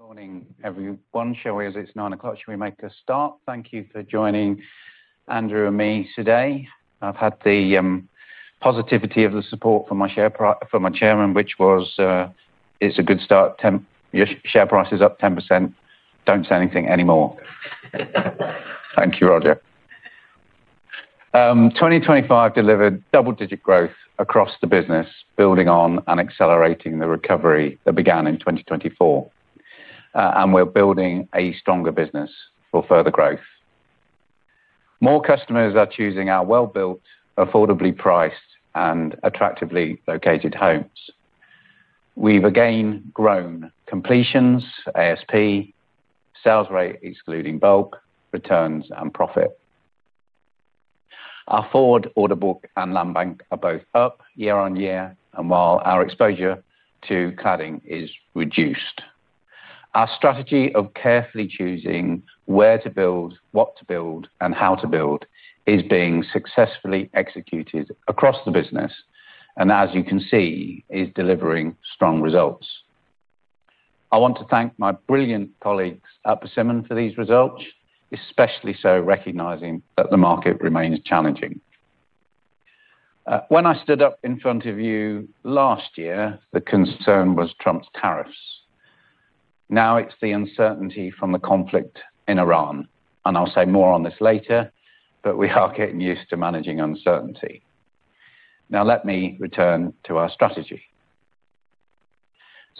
Good morning, everyone. Shall we, as it's 9:00 A.M., shall we make a start? Thank you for joining Andrew and me today. I've had the positivity of the support from my chairman, which was. It's a good start. Your share price is up 10%. Don't say anything anymore. Thank you, Roger. 2025 delivered double-digit growth across the business, building on and accelerating the recovery that began in 2024. We're building a stronger business for further growth. More customers are choosing our well-built, affordably priced, and attractively located homes. We've again grown completions, ASP, sales rate excluding bulk, returns, and profit. Our forward order book and land bank are both up year-on-year. While our exposure to cladding is reduced. Our strategy of carefully choosing where to build, what to build, and how to build is being successfully executed across the business. As you can see, is delivering strong results. I want to thank my brilliant colleagues at Persimmon for these results, especially so recognizing that the market remains challenging. When I stood up in front of you last year, the concern was Trump's tariffs. Now it's the uncertainty from the conflict in Iran, and I'll say more on this later, but we are getting used to managing uncertainty. Now let me return to our strategy.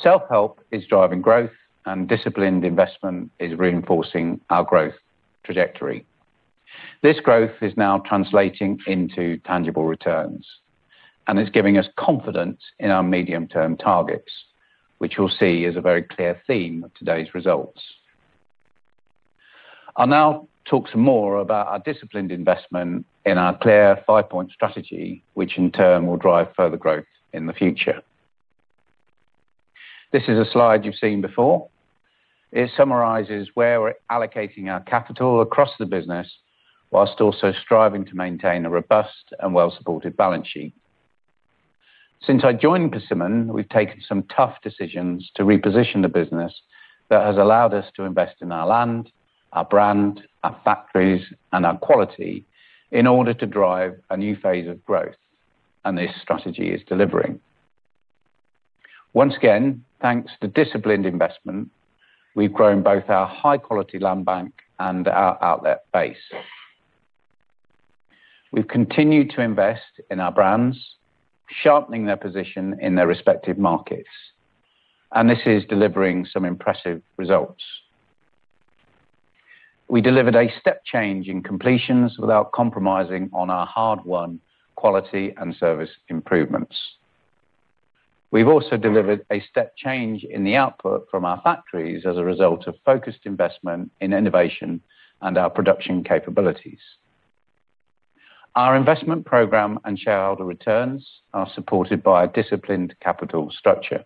Self-help is driving growth, and disciplined investment is reinforcing our growth trajectory. This growth is now translating into tangible returns, and it's giving us confidence in our medium-term targets, which you'll see is a very clear theme of today's results. I'll now talk some more about our disciplined investment in our clear five-point strategy, which in turn will drive further growth in the future. This is a slide you've seen before. It summarizes where we're allocating our capital across the business while also striving to maintain a robust and well-supported balance sheet. Since I joined Persimmon, we've taken some tough decisions to reposition the business that has allowed us to invest in our land, our brand, our factories, and our quality in order to drive a new phase of growth, and this strategy is delivering. Once again, thanks to disciplined investment, we've grown both our high-quality land bank and our outlet base. We've continued to invest in our brands, sharpening their position in their respective markets, and this is delivering some impressive results. We delivered a step change in completions without compromising on our hard-won quality and service improvements. We've also delivered a step change in the output from our factories as a result of focused investment in innovation and our production capabilities. Our investment program and shareholder returns are supported by a disciplined capital structure.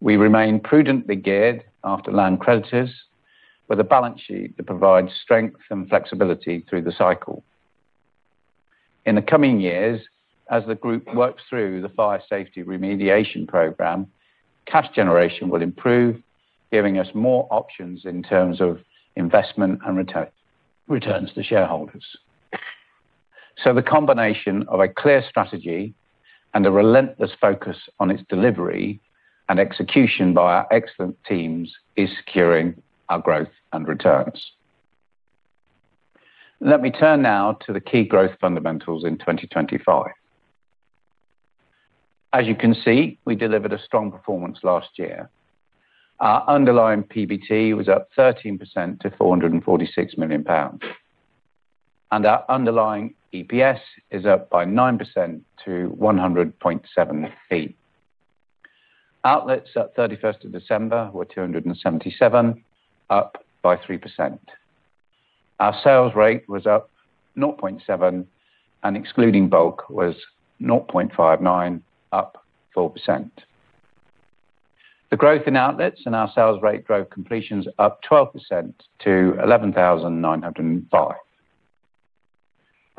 We remain prudently geared after land creditors with a balance sheet that provides strength and flexibility through the cycle. In the coming years, as the group works through the fire safety remediation program, cash generation will improve, giving us more options in terms of investment and return, returns to shareholders. The combination of a clear strategy and a relentless focus on its delivery and execution by our excellent teams is securing our growth and returns. Let me turn now to the key growth fundamentals in 2025. As you can see, we delivered a strong performance last year. Our underlying PBT was up 13% to 446 million pounds, and our underlying EPS is up by 9% to 100.7p Outlets at December 31 were 277, up by 3%. Our sales rate was up 0.7, and excluding bulk was 0.59, up 4%. The growth in outlets and our sales rate drove completions up 12% to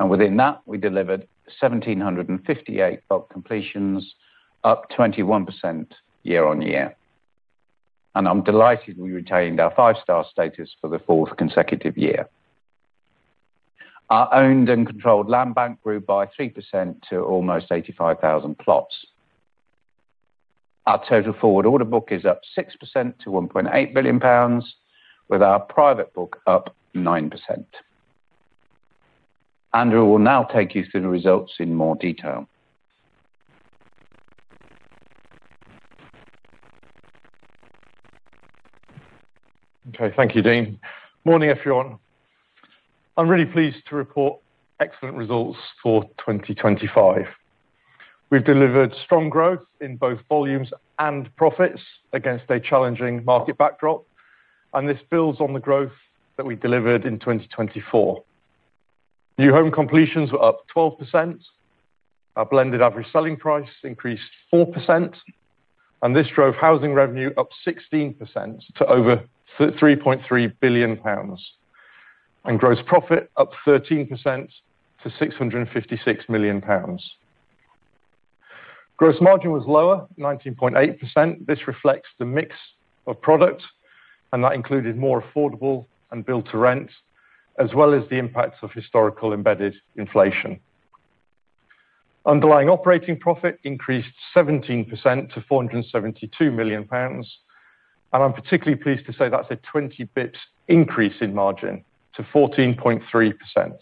11,905. Within that, we delivered 1,758 bulk completions, up 21% year-over-year. I'm delighted we retained our five-star status for the 4th consecutive year. Our owned and controlled land bank grew by 3% to almost 85,000 plots. Our total forward order book is up 6% to 1.8 billion pounds, with our private book up 9%. Andrew will now take you through the results in more detail. Okay. Thank you, Dean. Morning, everyone. I'm really pleased to report excellent results for 2025. We've delivered strong growth in both volumes and profits against a challenging market backdrop, and this builds on the growth that we delivered in 2024. New home completions were up 12%. Our blended average selling price increased 4%, and this drove housing revenue up 16% to over 3.3 billion pounds. Gross profit up 13% to 656 million pounds. Gross margin was lower 19.8%. This reflects the mix of products and that included more affordable and Build to Rent, as well as the impacts of historical embedded inflation. Underlying operating profit increased 17% to 472 million pounds. I'm particularly pleased to say that's a 200 basis point increase in margin to 14.3%.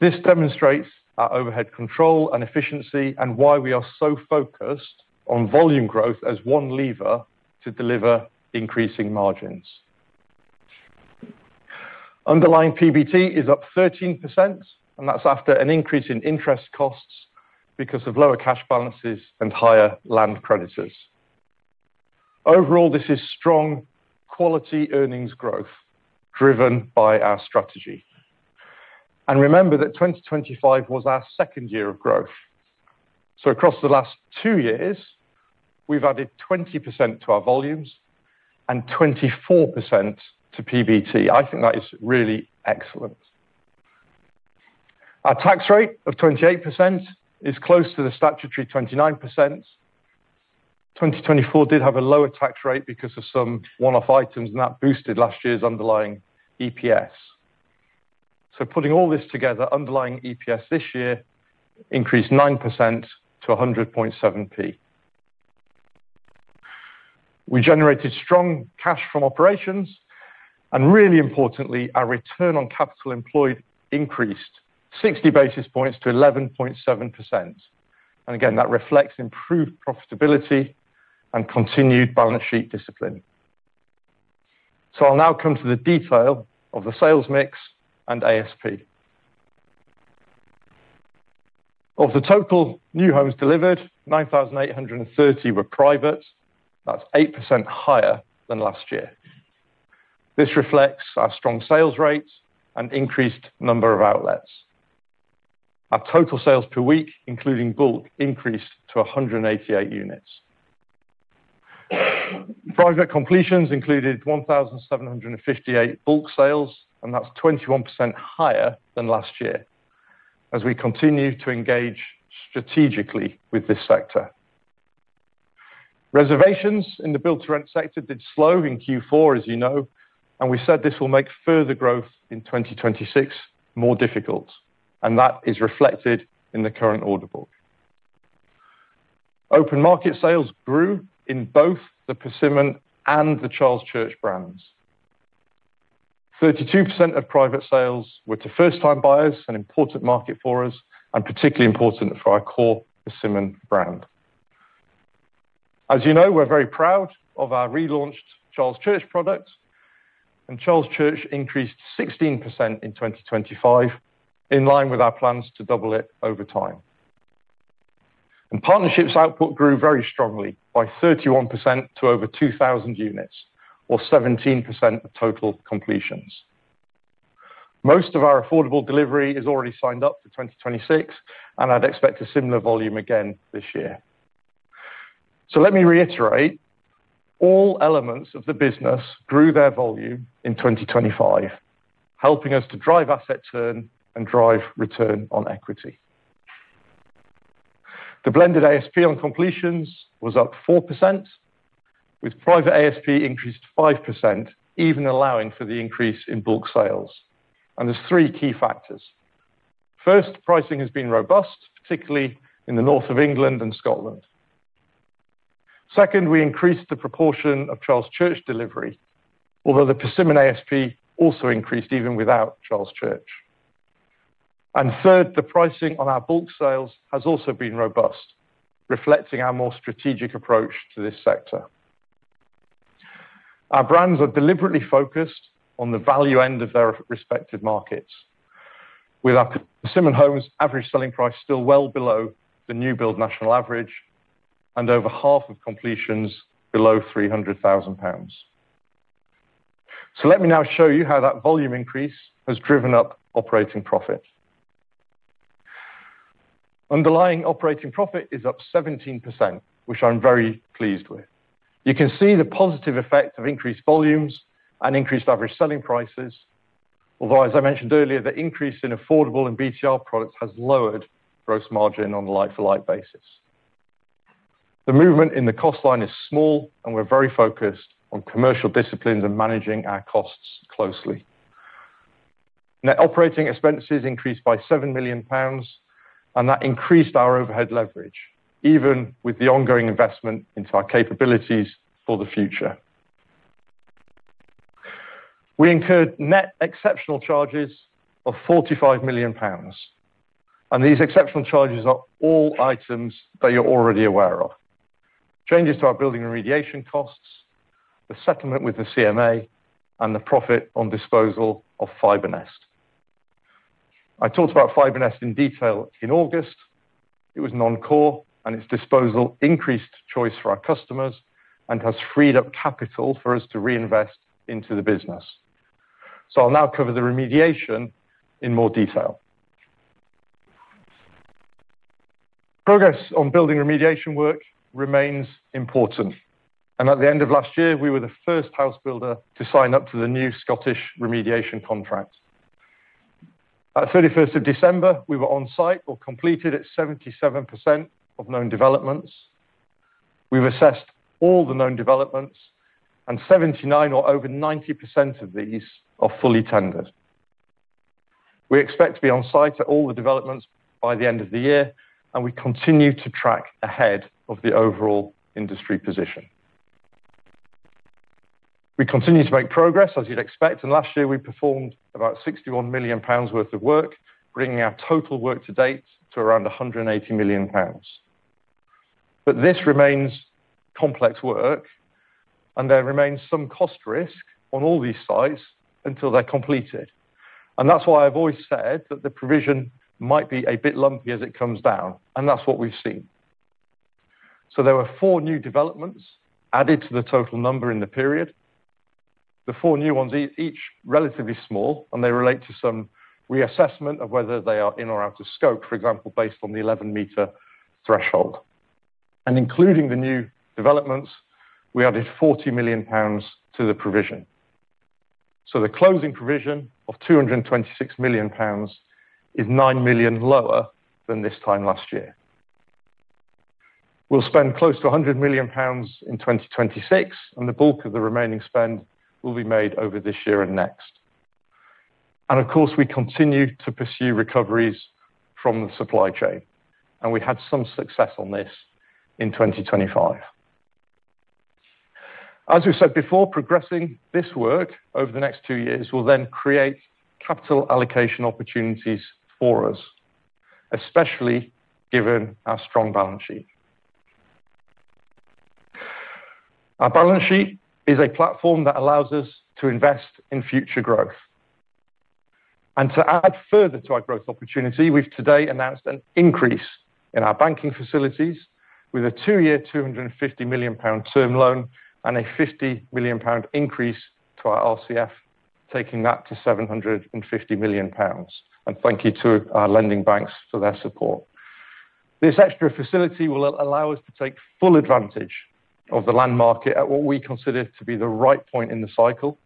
This demonstrates our overhead control and efficiency and why we are so focused on volume growth as one lever to deliver increasing margins. Underlying PBT is up 13%, and that's after an increase in interest costs because of lower cash balances and higher land creditors. Overall, this is strong quality earnings growth driven by our strategy. Remember that 2025 was our second year of growth. Across the last two years, we've added 20% to our volumes and 24% to PBT. I think that is really excellent. Our tax rate of 28% is close to the statutory 29%. 2024 did have a lower tax rate because of some one-off items, and that boosted last year's underlying EPS. Putting all this together, underlying EPS this year increased 9% to 100.7p. We generated strong cash from operations, and really importantly, our return on capital employed increased 60 basis points to 11.7%. Again, that reflects improved profitability and continued balance sheet discipline. I'll now come to the detail of the sales mix and ASP. Of the total new homes delivered, 9,830 were private. That's 8% higher than last year. This reflects our strong sales rates and increased number of outlets. Our total sales per week, including bulk, increased to 188 units. Private completions included 1,758 bulk sales and that's 21% higher than last year as we continue to engage strategically with this sector. Reservations in the Build to Rent sector did slow in Q4, as you know, and we said this will make further growth in 2026 more difficult. That is reflected in the current order book. Open market sales grew in both the Persimmon and the Charles Church brands. 32% of private sales were to first-time buyers, an important market for us and particularly important for our core Persimmon brand. As you know, we're very proud of our relaunched Charles Church products. Charles Church increased 16% in 2025, in line with our plans to double it over time. Partnerships output grew very strongly by 31% to over 2,000 units or 17% of total completions. Most of our affordable delivery is already signed up for 2026, and I'd expect a similar volume again this year. Let me reiterate, all elements of the business grew their volume in 2025, helping us to drive asset turn and drive return on equity. The blended ASP on completions was up 4% with private ASP increased 5%, even allowing for the increase in bulk sales. There's three key factors. First, pricing has been robust, particularly in the North of England and Scotland. Second, we increased the proportion of Charles Church delivery, although the Persimmon ASP also increased even without Charles Church. Third, the pricing on our bulk sales has also been robust, reflecting our more strategic approach to this sector. Our brands are deliberately focused on the value end of their respective markets. With our Persimmon Homes average selling price still well below the new build national average and over half of completions below 300,000 pounds. Let me now show you how that volume increase has driven up operating profit. Underlying operating profit is up 17%, which I'm very pleased with. You can see the positive effect of increased volumes and increased average selling prices. Although, as I mentioned earlier, the increase in affordable and BTR products has lowered gross margin on a like-for-like basis. The movement in the cost line is small, and we're very focused on commercial disciplines and managing our costs closely. Net operating expenses increased by 7 million pounds, and that increased our overhead leverage, even with the ongoing investment into our capabilities for the future. We incurred net exceptional charges of 45 million pounds, and these exceptional charges are all items that you're already aware of. Changes to our building remediation costs, the settlement with the CMA, and the profit on disposal of FibreNest. I talked about FibreNest in detail in August. It was non-core, and its disposal increased choice for our customers and has freed up capital for us to reinvest into the business. I'll now cover the remediation in more detail. Progress on building remediation work remains important. At the end of last year, we were the first house builder to sign up to the new Scottish remediation contract. At 31st of December, we were on site or completed at 77% of known developments. We've assessed all the known developments and 79% or over 90% of these are fully tendered. We expect to be on site at all the developments by the end of the year, and we continue to track ahead of the overall industry position. We continue to make progress, as you'd expect, and last year we performed about 61 million pounds worth of work, bringing our total work to date to around 180 million pounds. This remains complex work and there remains some cost risk on all these sites until they're completed. That's why I've always said that the provision might be a bit lumpy as it comes down, and that's what we've seen. There were four new developments added to the total number in the period. The four new ones, each relatively small, and they relate to some reassessment of whether they are in or out of scope. For example, based on the 11 m threshold. Including the new developments, we added 40 million pounds to the provision. The closing provision of 226 million pounds is 9 million lower than this time last year. We'll spend close to 100 million pounds in 2026, and the bulk of the remaining spend will be made over this year and next. Of course, we continue to pursue recoveries from the supply chain, and we had some success on this in 2025. As we said before, progressing this work over the next two-years will then create capital allocation opportunities for us, especially given our strong balance sheet. Our balance sheet is a platform that allows us to invest in future growth. To add further to our growth opportunity, we've today announced an increase in our banking facilities with a two-years, 250 million pound term loan and a 50 million pound increase to our RCF, taking that to 750 million pounds. Thank you to our lending banks for their support. This extra facility will allow us to take full advantage of the land market at what we consider to be the right point in the cycle,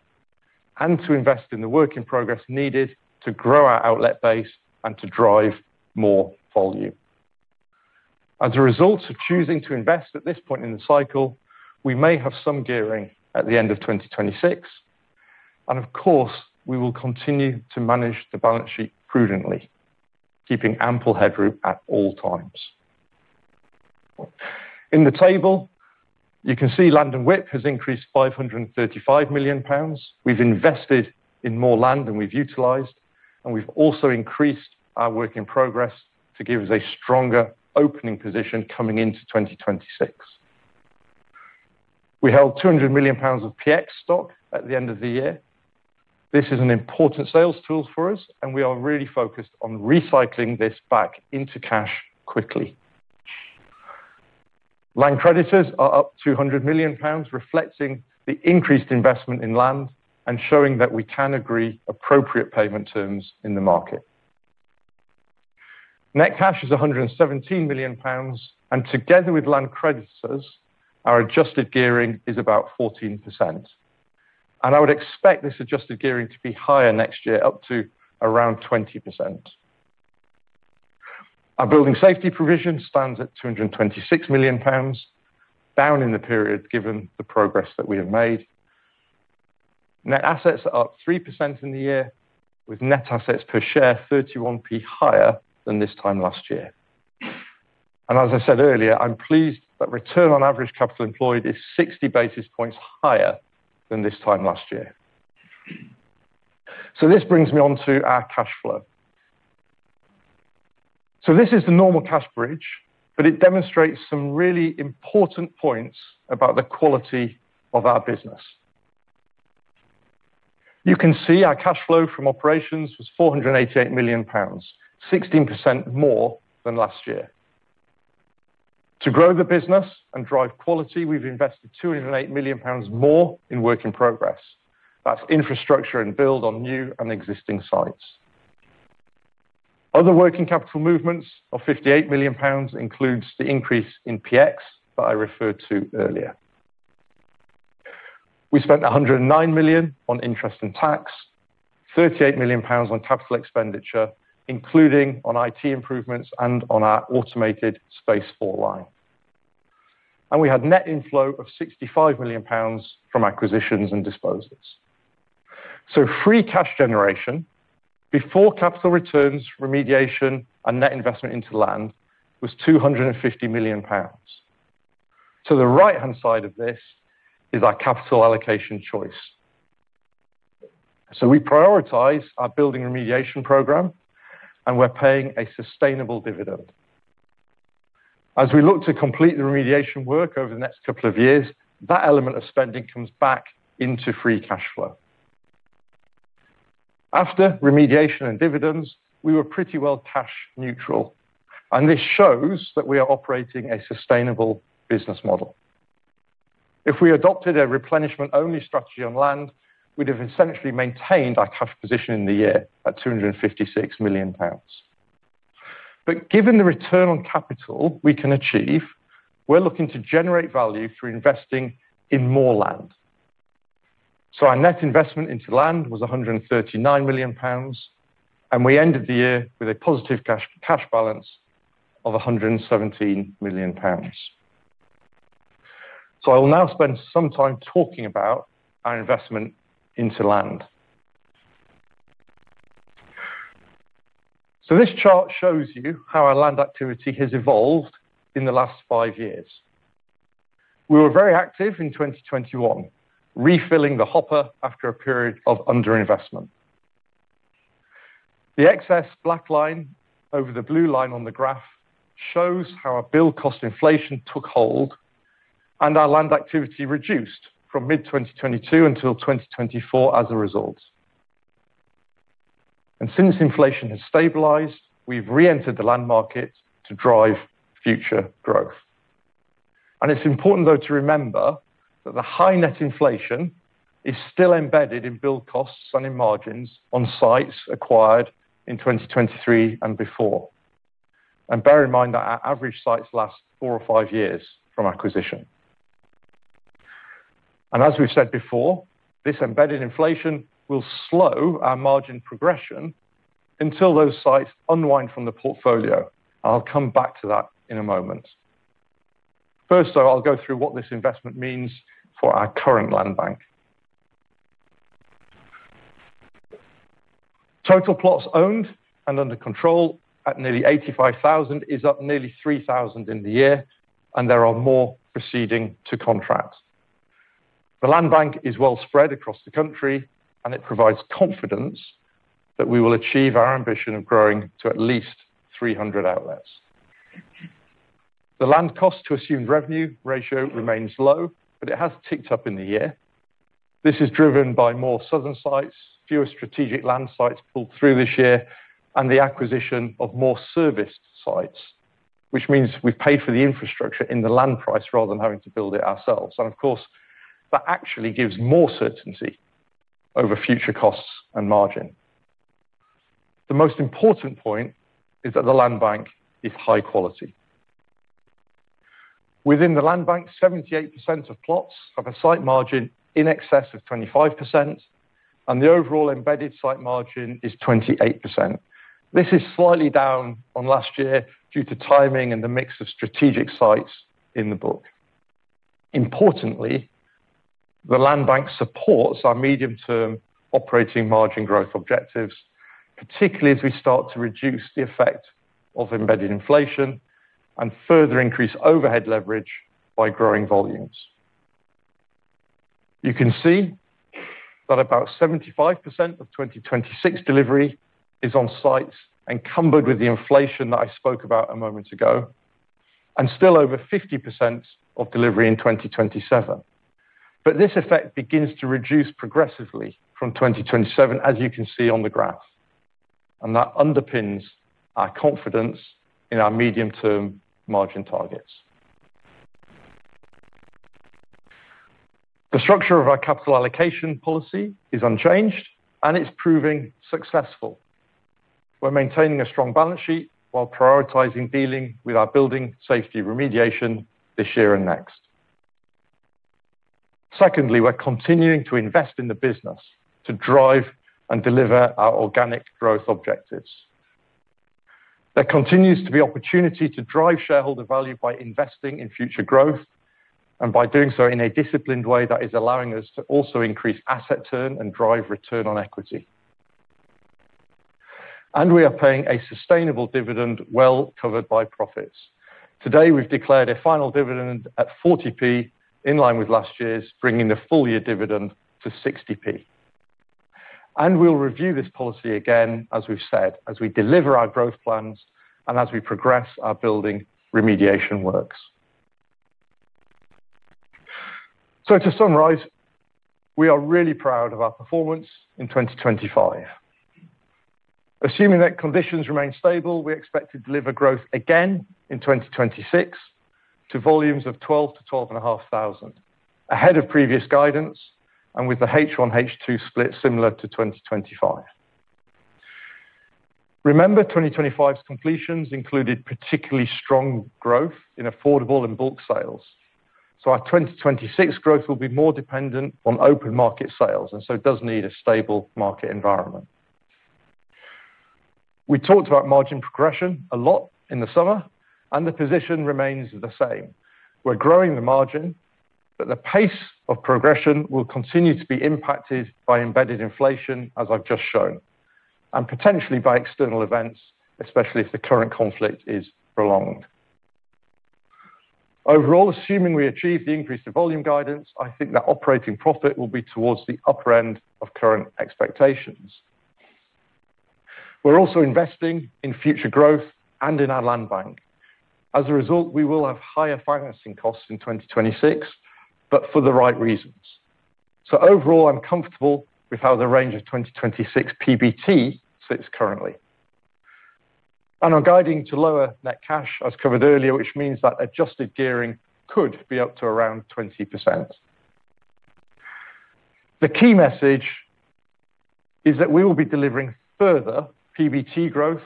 and to invest in the work in progress needed to grow our outlet base and to drive more volume. As a result of choosing to invest at this point in the cycle, we may have some gearing at the end of 2026. Of course, we will continue to manage the balance sheet prudently, keeping ample headroom at all times. In the table, you can see land and WIP has increased 535 million pounds. We've invested in more land than we've utilized, and we've also increased our work in progress to give us a stronger opening position coming into 2026. We held 200 million pounds of PX stock at the end of the year. This is an important sales tool for us and we are really focused on recycling this back into cash quickly. Land creditors are up 200 million pounds, reflecting the increased investment in land and showing that we can agree appropriate payment terms in the market. Net cash is 117 million pounds, and together with land creditors, our adjusted gearing is about 14%. I would expect this adjusted gearing to be higher next year, up to around 20%. Our building safety provision stands at 226 million pounds, down in the period given the progress that we have made. Net assets are up 3% in the year, with net assets per share 31p higher than this time last year. As I said earlier, I'm pleased that return on average capital employed is 60 basis points higher than this time last year. This brings me on to our cash flow. This is the normal cash bridge, but it demonstrates some really important points about the quality of our business. You can see our cash flow from operations was 488 million pounds, 16% more than last year. To grow the business and drive quality, we've invested 208 million pounds more in work in progress. That's infrastructure and build on new and existing sites. Other working capital movements of 58 million pounds includes the increase in PX that I referred to earlier. We spent 109 million on interest and tax, 38 million pounds on capital expenditure, including on IT improvements and on our automated Space4 line. We had net inflow of 65 million pounds from acquisitions and disposals. Free cash generation before capital returns, remediation, and net investment into land was 250 million pounds. To the right-hand side of this is our capital allocation choice. We prioritize our building remediation program, and we're paying a sustainable dividend. As we look to complete the remediation work over the next couple of years, that element of spending comes back into free cash flow. After remediation and dividends, we were pretty well cash neutral, and this shows that we are operating a sustainable business model. If we adopted a replenishment-only strategy on land, we'd have essentially maintained our cash position in the year at 256 million pounds. Given the return on capital we can achieve, we're looking to generate value through investing in more land. Our net investment into land was 139 million pounds, and we ended the year with a positive cash balance of 117 million pounds. I will now spend some time talking about our investment into land. This chart shows you how our land activity has evolved in the last five years. We were very active in 2021, refilling the hopper after a period of underinvestment. The excess black line over the blue line on the graph shows how our build cost inflation took hold and our land activity reduced from mid-2022 until 2024 as a result. Since inflation has stabilized, we've reentered the land market to drive future growth. It's important, though, to remember that the high net inflation is still embedded in build costs and in margins on sites acquired in 2023 and before. Bear in mind that our average sites last four or five years from acquisition. As we said before, this embedded inflation will slow our margin progression until those sites unwind from the portfolio. I'll come back to that in a moment. First, though, I'll go through what this investment means for our current land bank. Total plots owned and under control at nearly 85,000 is up nearly 3,000 in the year, and there are more proceeding to contract. The land bank is well spread across the country, and it provides confidence that we will achieve our ambition of growing to at least 300 outlets. The land cost to assumed revenue ratio remains low, but it has ticked up in the year. This is driven by more southern sites, fewer strategic land sites pulled through this year, and the acquisition of more serviced sites, which means we pay for the infrastructure in the land price rather than having to build it ourselves. Of course, that actually gives more certainty over future costs and margin. The most important point is that the land bank is high quality. Within the land bank, 78% of plots have a site margin in excess of 25%, and the overall embedded site margin is 28%. This is slightly down on last year due to timing and the mix of strategic sites in the book. Importantly, the land bank supports our medium-term operating margin growth objectives, particularly as we start to reduce the effect of embedded inflation and further increase overhead leverage by growing volumes. You can see that about 75% of 2026 delivery is on sites encumbered with the inflation that I spoke about a moment ago, and still over 50% of delivery in 2027. This effect begins to reduce progressively from 2027, as you can see on the graph. That underpins our confidence in our medium-term margin targets. The structure of our capital allocation policy is unchanged, and it's proving successful. We're maintaining a strong balance sheet while prioritizing dealing with our building safety remediation this year and next. Secondly, we're continuing to invest in the business to drive and deliver our organic growth objectives. There continues to be opportunity to drive shareholder value by investing in future growth, and by doing so in a disciplined way that is allowing us to also increase asset turn and drive return on equity. We are paying a sustainable dividend well covered by profits. Today, we've declared a final dividend at 0.40, in line with last year's, bringing the full year dividend to 0.60. We'll review this policy again, as we've said, as we deliver our growth plans and as we progress our building remediation works. To summarize, we are really proud of our performance in 2025. Assuming that conditions remain stable, we expect to deliver growth again in 2026 to volumes of 12,000-12,500, ahead of previous guidance and with the H1, H2 split similar to 2025. Remember, 2025's completions included particularly strong growth in affordable and bulk sales. Our 2026 growth will be more dependent on open market sales, and so it does need a stable market environment. We talked about margin progression a lot in the summer, and the position remains the same. We're growing the margin, but the pace of progression will continue to be impacted by embedded inflation, as I've just shown, and potentially by external events, especially if the current conflict is prolonged. Overall, assuming we achieve the increase to volume guidance, I think that operating profit will be towards the upper end of current expectations. We're also investing in future growth and in our land bank. As a result, we will have higher financing costs in 2026, but for the right reasons. Overall, I'm comfortable with how the range of 2026 PBT sits currently. Our guiding to lower net cash, as covered earlier, which means that adjusted gearing could be up to around 20%. The key message is that we will be delivering further PBT growth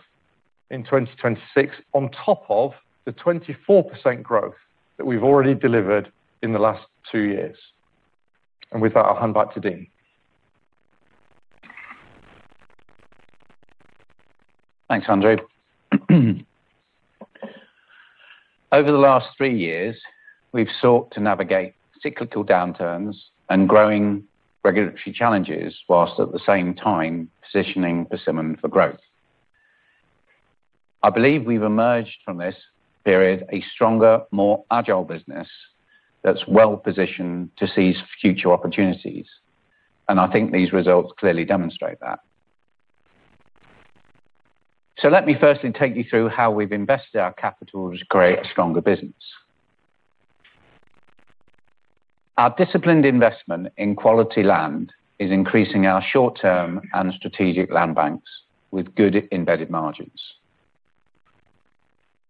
in 2026 on top of the 24% growth that we've already delivered in the last two-years. With that, I'll hand back to Dean. Thanks, Andrew. Over the last three years, we've sought to navigate cyclical downturns and growing regulatory challenges while at the same time positioning Persimmon for growth. I believe we've emerged from this period a stronger, more agile business that's well positioned to seize future opportunities, and I think these results clearly demonstrate that. Let me first take you through how we've invested our capital to create a stronger business. Our disciplined investment in quality land is increasing our short term and strategic land banks with good embedded margins.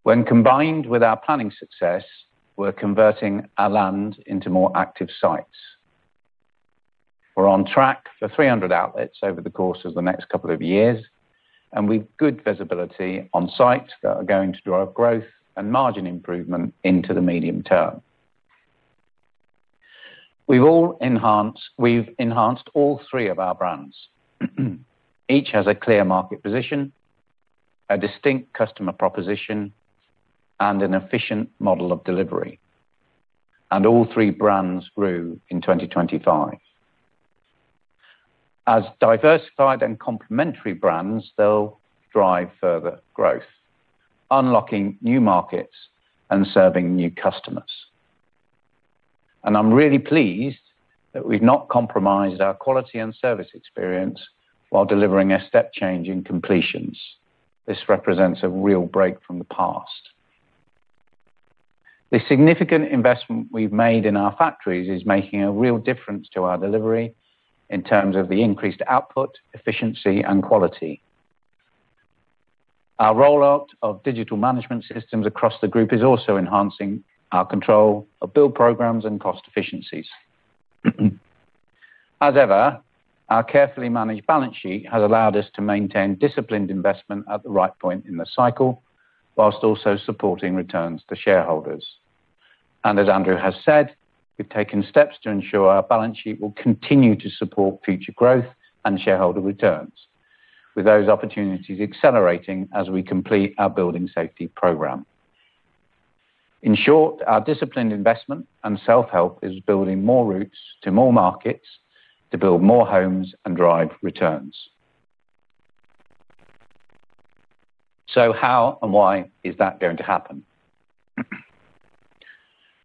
When combined with our planning success, we're converting our land into more active sites. We're on track for 300 outlets over the course of the next couple of years, and with good visibility on site that are going to drive growth and margin improvement into the medium term. We've enhanced all three of our brands. Each has a clear market position, a distinct customer proposition, and an efficient model of delivery. All three brands grew in 2025. As diversified and complementary brands, they'll drive further growth, unlocking new markets and serving new customers. I'm really pleased that we've not compromised our quality and service experience while delivering a step change in completions. This represents a real break from the past. The significant investment we've made in our factories is making a real difference to our delivery in terms of the increased output, efficiency, and quality. Our rollout of digital management systems across the group is also enhancing our control of build programs and cost efficiencies. As ever, our carefully managed balance sheet has allowed us to maintain disciplined investment at the right point in the cycle while also supporting returns to shareholders. As Andrew has said, we've taken steps to ensure our balance sheet will continue to support future growth and shareholder returns. With those opportunities accelerating as we complete our building safety program. In short, our disciplined investment and self-help is building more routes to more markets to build more homes and drive returns. how and why is that going to happen?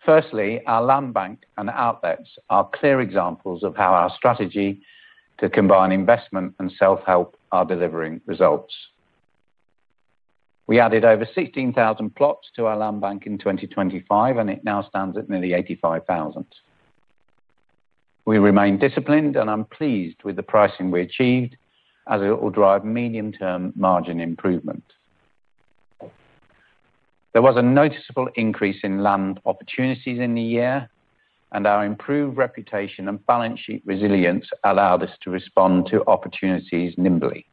Firstly, our land bank and outlets are clear examples of how our strategy to combine investment and self-help are delivering results. We added over 16,000 plots to our land bank in 2025, and it now stands at nearly 85,000. We remain disciplined, and I'm pleased with the pricing we achieved as it will drive medium-term margin improvement. There was a noticeable increase in land opportunities in the year, and our improved reputation and balance sheet resilience allowed us to respond to opportunities nimbly.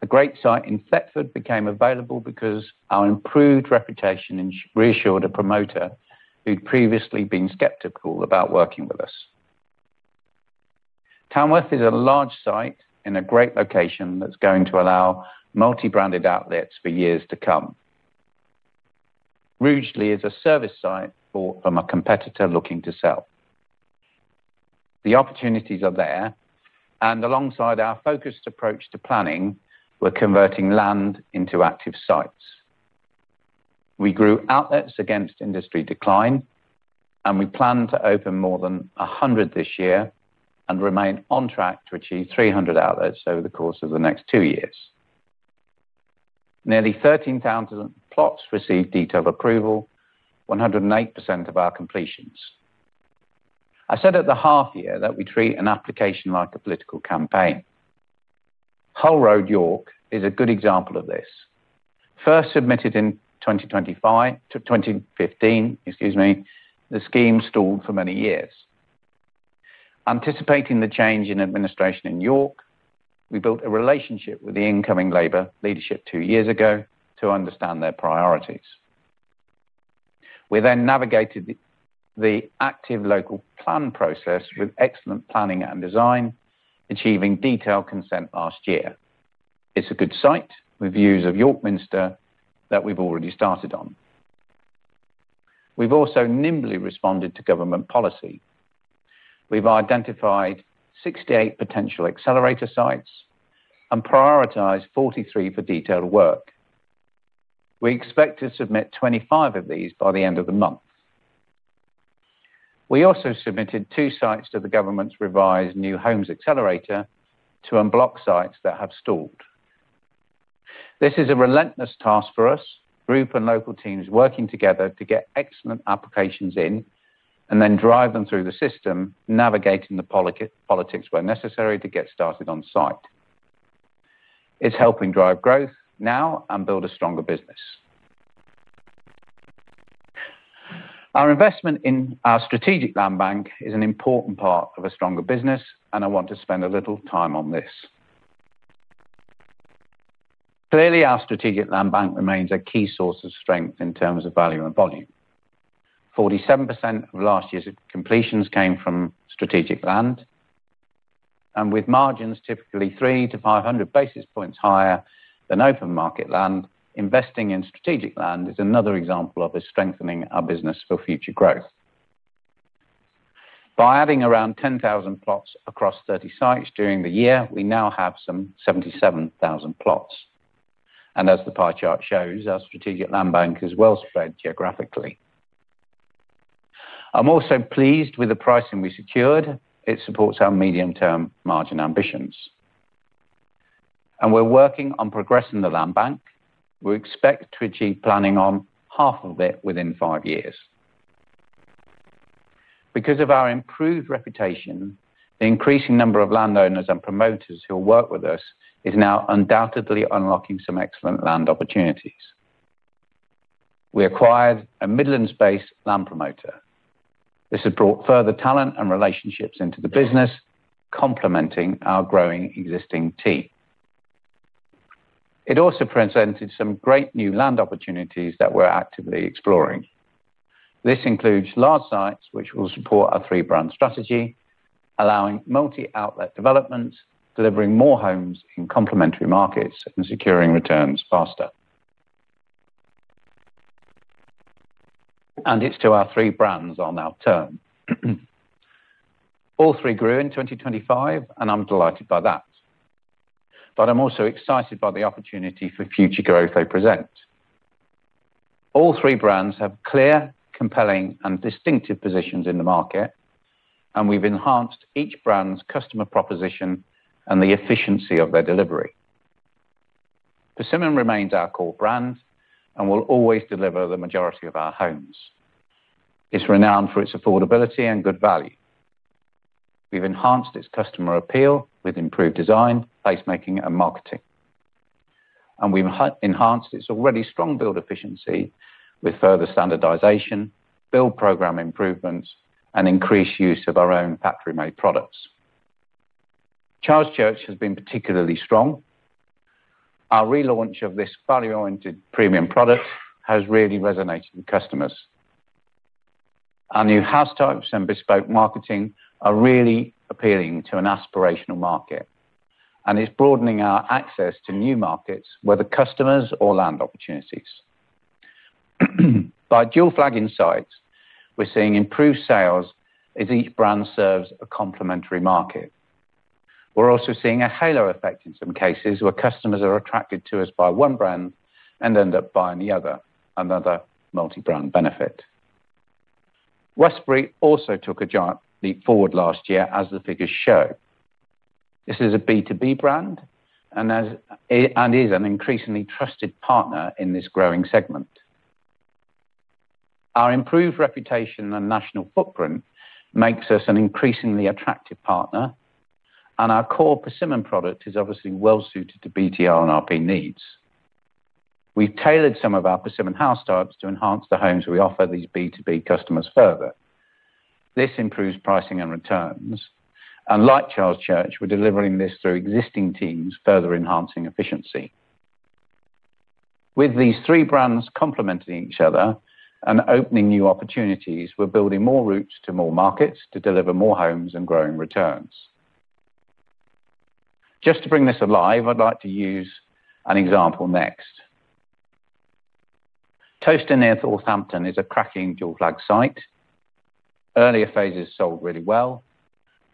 A great site in Thetford became available because our improved reputation reassured a promoter who'd previously been skeptical about working with us. Tamworth is a large site in a great location that's going to allow multi-branded outlets for years to come. Rugeley is a service site bought from a competitor looking to sell. The opportunities are there, and alongside our focused approach to planning, we're converting land into active sites. We grew outlets against industry decline, and we plan to open more than 100 this year and remain on track to achieve 300 outlets over the course of the next two years. Nearly 13,000 plots received detailed approval, 108% of our completions. I said at the half year that we treat an application like a political campaign. Hull Road, York is a good example of this. First submitted in 2025 to 2015, excuse me, the scheme stalled for many years. Anticipating the change in administration in York, we built a relationship with the incoming Labour leadership two years ago to understand their priorities. We then navigated the active local plan process with excellent planning and design, achieving detailed consent last year. It's a good site with views of York Minster that we've already started on. We've also nimbly responded to government policy. We've identified 68 potential accelerator sites and prioritized 43 for detailed work. We expect to submit 25 of these by the end of the month. We also submitted two sites to the government's revised New Homes Accelerator to unblock sites that have stalled. This is a relentless task for us, group and local teams working together to get excellent applications in and then drive them through the system, navigating the politics where necessary to get started on site. It's helping drive growth now and build a stronger business. Our investment in our strategic land bank is an important part of a stronger business and I want to spend a little time on this. Clearly, our strategic land bank remains a key source of strength in terms of value and volume. 47% of last year's completions came from strategic land. With margins typically 300-500 basis points higher than open market land, investing in strategic land is another example of us strengthening our business for future growth. By adding around 10,000 plots across 30 sites during the year, we now have some 77,000 plots. As the pie chart shows, our strategic land bank is well spread geographically. I'm also pleased with the pricing we secured. It supports our medium-term margin ambitions. We're working on progressing the land bank. We expect to achieve planning on half of it within five years. Because of our improved reputation, the increasing number of landowners and promoters who will work with us is now undoubtedly unlocking some excellent land opportunities. We acquired a Midlands-based land promoter. This has brought further talent and relationships into the business, complementing our growing existing team. It also presented some great new land opportunities that we're actively exploring. This includes large sites which will support our three-brand strategy, allowing multi-outlet developments, delivering more homes in complementary markets and securing returns faster. It's to our three brands I'll now turn. All three grew in 2025 and I'm delighted by that. I'm also excited by the opportunity for future growth they present. All three brands have clear, compelling and distinctive positions in the market and we've enhanced each brand's customer proposition and the efficiency of their delivery. Persimmon remains our core brand and will always deliver the majority of our homes. It's renowned for its affordability and good value. We've enhanced its customer appeal with improved design, placemaking and marketing. We've enhanced its already strong build efficiency with further standardization, build program improvements and increased use of our own factory-made products. Charles Church has been particularly strong. Our relaunch of this value-oriented premium product has really resonated with customers. Our new house types and bespoke marketing are really appealing to an aspirational market and is broadening our access to new markets, whether customers or land opportunities. By dual flagging sites, we're seeing improved sales as each brand serves a complementary market. We're also seeing a halo effect in some cases where customers are attracted to us by one brand and end up buying the other, another multi-brand benefit. Westbury also took a giant leap forward last year as the figures show. This is a B2B brand and is an increasingly trusted partner in this growing segment. Our improved reputation and national footprint makes us an increasingly attractive partner and our core Persimmon product is obviously well suited to BTR and RP needs. We've tailored some of our Persimmon house types to enhance the homes we offer these B2B customers further. This improves pricing and returns. Like Charles Church, we're delivering this through existing teams, further enhancing efficiency. With these three brands complementing each other and opening new opportunities, we're building more routes to more markets to deliver more homes and growing returns. Just to bring this alive, I'd like to use an example next. Towcester near Northampton is a cracking dual flag site. Earlier phases sold really well.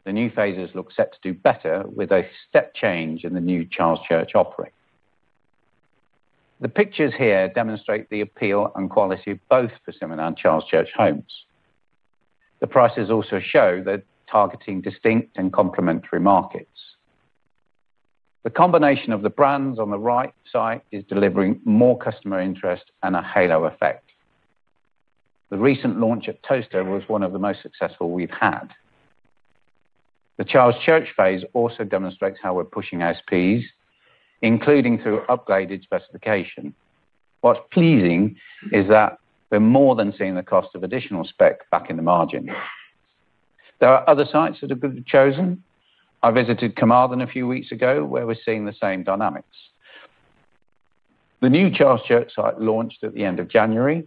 The new phases look set to do better with a step change in the new Charles Church offering. The pictures here demonstrate the appeal and quality of both Persimmon and Charles Church homes. The prices also show they're targeting distinct and complementary markets. The combination of the brands on the right side is delivering more customer interest and a halo effect. The recent launch at Towcester was one of the most successful we've had. The Charles Church phase also demonstrates how we're pushing ASP, including through upgraded specification. What's pleasing is that we're more than seeing the cost of additional spec back in the margin. There are other sites that have been chosen. I visited Carmarthen a few weeks ago where we're seeing the same dynamics. The new Charles Church site launched at the end of January.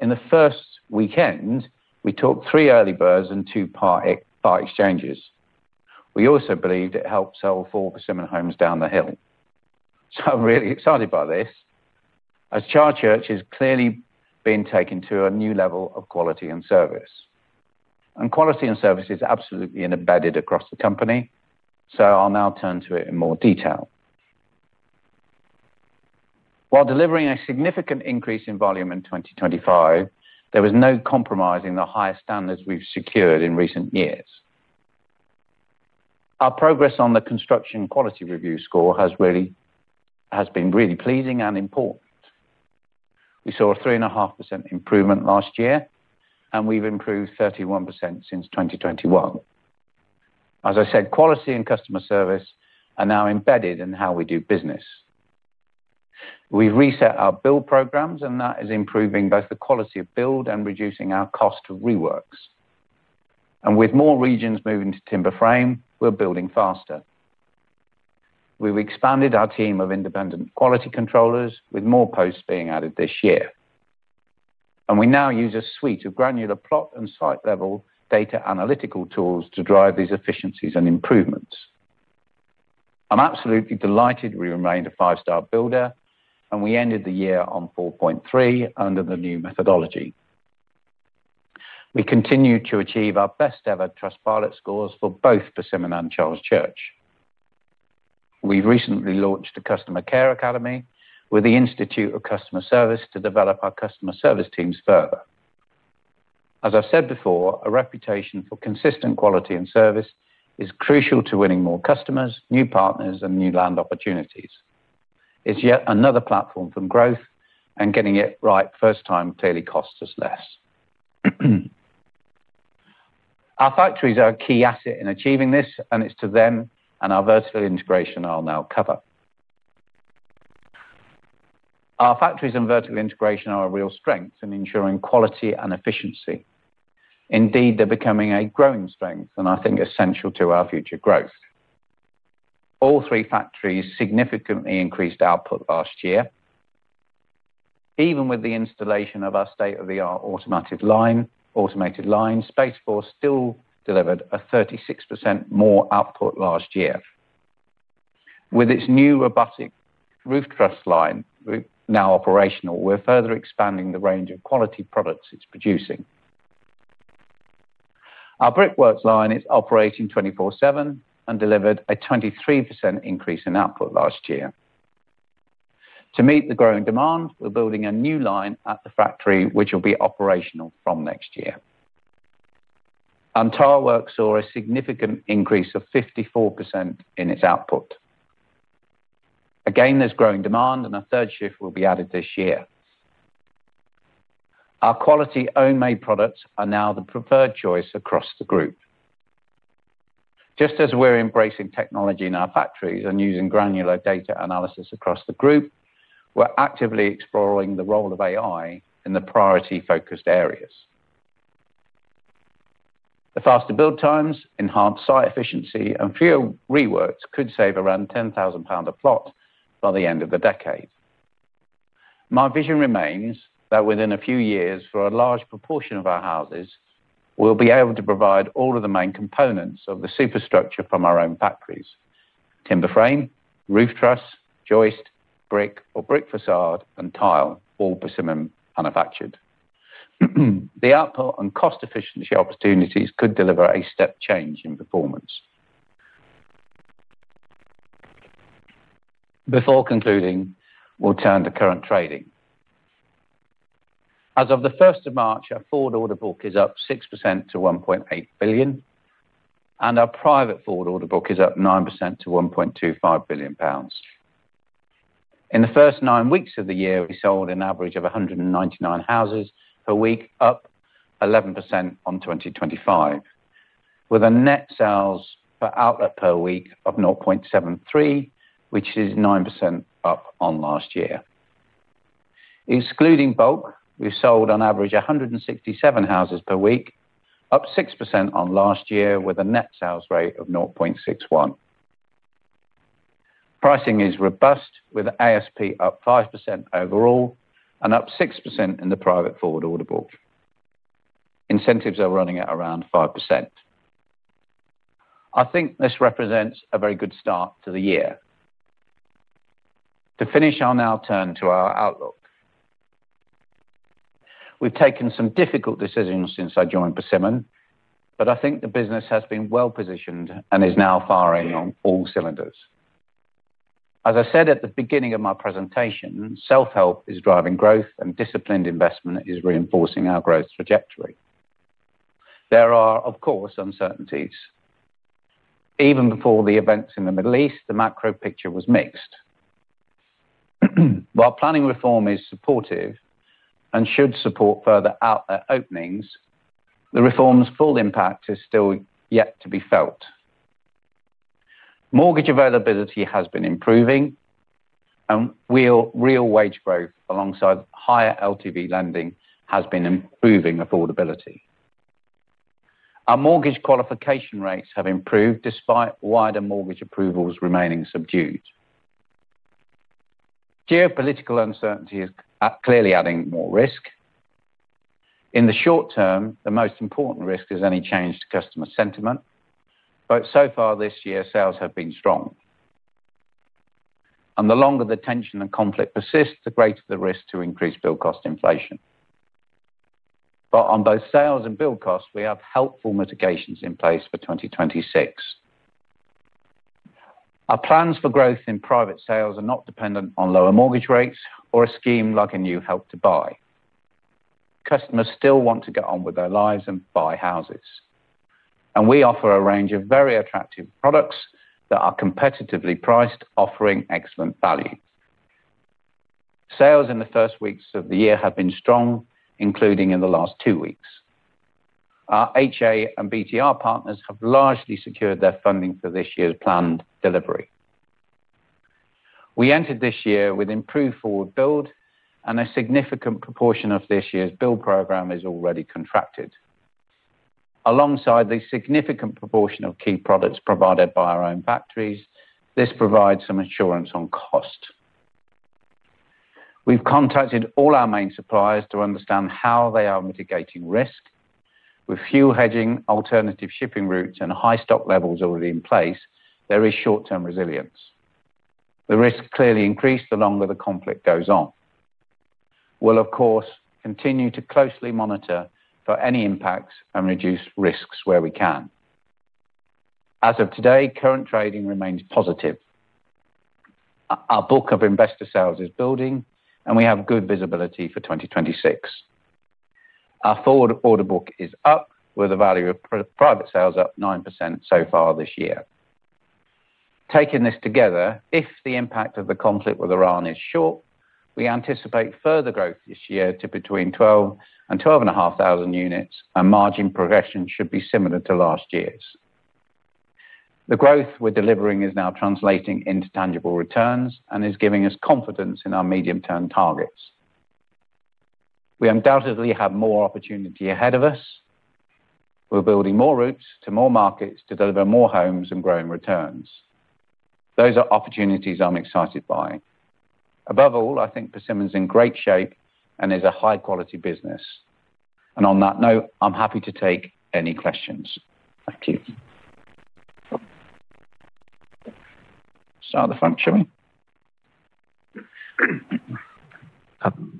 In the first weekend, we took three early birds and two part exchanges. We also believe it helped sell four Persimmon homes down the hill. I'm really excited by this as Charles Church is clearly being taken to a new level of quality and service. Quality and service is absolutely embedded across the company, so I'll now turn to it in more detail. While delivering a significant increase in volume in 2025, there was no compromise in the highest standards we've secured in recent years. Our progress on the Construction Quality Review score has been really pleasing and important. We saw a 3.5% improvement last year, and we've improved 31% since 2021. As I said, quality and customer service are now embedded in how we do business. We reset our build programs and that is improving both the quality of build and reducing our cost of reworks. With more regions moving to timber frame, we're building faster. We've expanded our team of independent quality controllers with more posts being added this year. We now use a suite of granular plot and site level data analytical tools to drive these efficiencies and improvements. I'm absolutely delighted we remained a five-star builder and we ended the year on 4.3 under the new methodology. We continued to achieve our best ever Trustpilot scores for both Persimmon and Charles Church. We recently launched a customer care academy with the Institute of Customer Service to develop our customer service teams further. As I've said before, a reputation for consistent quality and service is crucial to winning more customers, new partners and new land opportunities. It's yet another platform for growth and getting it right first time clearly costs us less. Our factories are a key asset in achieving this, and it's to them and our vertical integration I'll now cover. Our factories and vertical integration are a real strength in ensuring quality and efficiency. Indeed, they're becoming a growing strength and I think essential to our future growth. All three factories significantly increased output last year. Even with the installation of our state-of-the-art automated line, Space4 still delivered a 36% more output last year. With its new robotic roof truss line now operational, we're further expanding the range of quality products it's producing. Our brickworks line is operating 24/7 and delivered a 23% increase in output last year. To meet the growing demand, we're building a new line at the factory which will be operational from next year. Tile works saw a significant increase of 54% in its output. Again, there's growing demand and a third shift will be added this year. Our quality own made products are now the preferred choice across the group. Just as we're embracing technology in our factories and using granular data analysis across the group, we're actively exploring the role of AI in the priority focused areas. The faster build times, enhanced site efficiency and fewer reworks could save around 10,000 pounds a plot by the end of the decade. My vision remains that within a few years for a large proportion of our houses, we'll be able to provide all of the main components of the superstructure from our own factories. Timber frame, roof truss, joist, brick or brick facade and tile, all Persimmon manufactured. The output and cost efficiency opportunities could deliver a step change in performance. Before concluding, we'll turn to current trading. As of the first of March, our forward order book is up 6% to 1.8 billion, and our private forward order book is up 9% to 1.25 billion pounds. In the first nine weeks of the year, we sold an average of 199 houses per week, up 11% on 2025, with a net sales per outlet per week of 0.73, which is 9% up on last year. Excluding bulk, we sold on average 167 houses per week, up 6% on last year with a net sales rate of 0.61. Pricing is robust with ASP up 5% overall and up 6% in the private forward order book. Incentives are running at around 5%. I think this represents a very good start to the year. To finish, I'll now turn to our outlook. We've taken some difficult decisions since I joined Persimmon, but I think the business has been well positioned and is now firing on all cylinders. As I said at the beginning of my presentation, self-help is driving growth and disciplined investment is reinforcing our growth trajectory. There are, of course, uncertainties. Even before the events in the Middle East, the macro picture was mixed. While planning reform is supportive and should support further out openings, the reform's full impact is still yet to be felt. Mortgage availability has been improving and real wage growth alongside higher LTV lending has been improving affordability. Our mortgage qualification rates have improved despite wider mortgage approvals remaining subdued. Geopolitical uncertainty is clearly adding more risk. In the short term, the most important risk is any change to customer sentiment. But so far this year, sales have been strong. The longer the tension and conflict persists, the greater the risk to increase build cost inflation. On both sales and build costs, we have helpful mitigations in place for 2026. Our plans for growth in private sales are not dependent on lower mortgage rates or a scheme like a new Help to Buy. Customers still want to get on with their lives and buy houses. We offer a range of very attractive products that are competitively priced, offering excellent value. Sales in the first weeks of the year have been strong, including in the last two weeks. Our HA and BTR partners have largely secured their funding for this year's planned delivery. We entered this year with improved forward build, and a significant proportion of this year's build program is already contracted. Alongside the significant proportion of key products provided by our own factories, this provides some assurance on cost. We've contacted all our main suppliers to understand how they are mitigating risk. With fuel hedging, alternative shipping routes, and high stock levels already in place, there is short-term resilience. The risk clearly increased the longer the conflict goes on. We'll, of course, continue to closely monitor for any impacts and reduce risks where we can. As of today, current trading remains positive. Our book of private sales is building, and we have good visibility for 2026. Our forward order book is up with a value of private sales up 9% so far this year. Taking this together, if the impact of the conflict with Iran is short, we anticipate further growth this year to between 12 and 12.5 thousand units, and margin progression should be similar to last year's. The growth we're delivering is now translating into tangible returns and is giving us confidence in our medium-term targets. We undoubtedly have more opportunity ahead of us. We're building more routes to more markets to deliver more homes and growing returns. Those are opportunities I'm excited by. Above all, I think Persimmon is in great shape and is a high-quality business. On that note, I'm happy to take any questions. Thank you. Start the fun, shall we?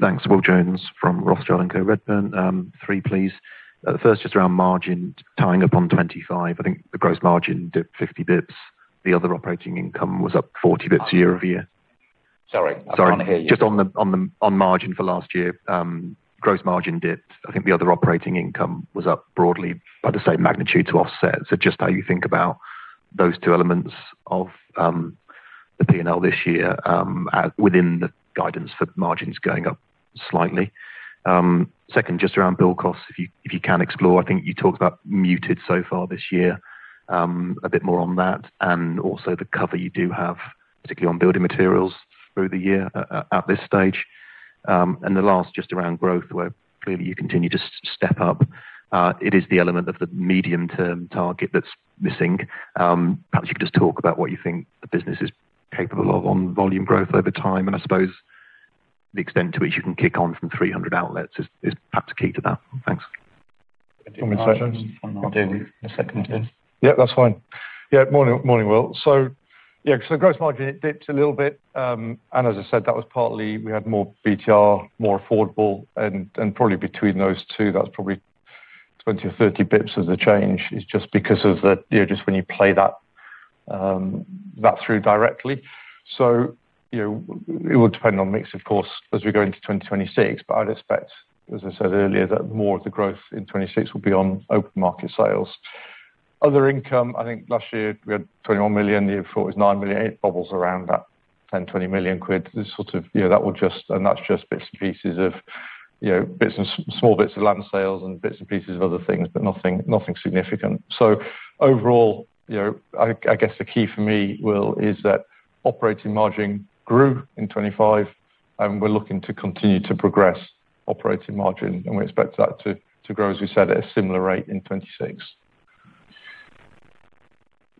Thanks. William Jones from Rothschild & Co Redburn. three please. The first is around margin guidance for 25. I think the gross margin dipped 50 basis points. The other operating income was up 40 basis points year-over-year. Sorry, I can't hear you. Just on margin for last year, gross margin dipped. I think the other operating income was up broadly by the same magnitude to offset. Just how you think about those two elements of the P&L this year, within the guidance for margins going up slightly. Second, just around build costs, if you can explore, I think you talked about muted so far this year. A bit more on that and also the cover you do have, particularly on building materials through the year at this stage. The last, just around growth, where clearly you continue to step up. It is the element of the medium-term target that's missing. Perhaps you could just talk about what you think the business is capable of on volume growth over time. I suppose the extent to which you can kick on from 300 outlets is perhaps key to that. Thanks. Do you want me to take those? I'll do the second then. Yeah, that's fine. Yeah. Morning, William Yeah, so gross margin it dipped a little bit, and as I said, that was partly we had more BTR, more affordable, and probably between those two, that's probably 20 or 30 basis points of the change. It's just because of you know, just when you play that through directly. You know, it will depend on mix, of course, as we go into 2026, but I'd expect, as I said earlier that more of the growth in 2026 will be on open market sales. Other income, I think last year we had 21 million, the year before it was 9 million. It wobbles around that 10 million-20 million quid. This sort of, you know, that was just, and that's just bits and pieces of, you know, business, small bits of land sales and bits and pieces of other things, but nothing significant. Overall, you know, I guess the key for me, William, is that operating margin grew in 2025, and we're looking to continue to progress operating margin, and we expect that to grow, as we said, at a similar rate in 2026.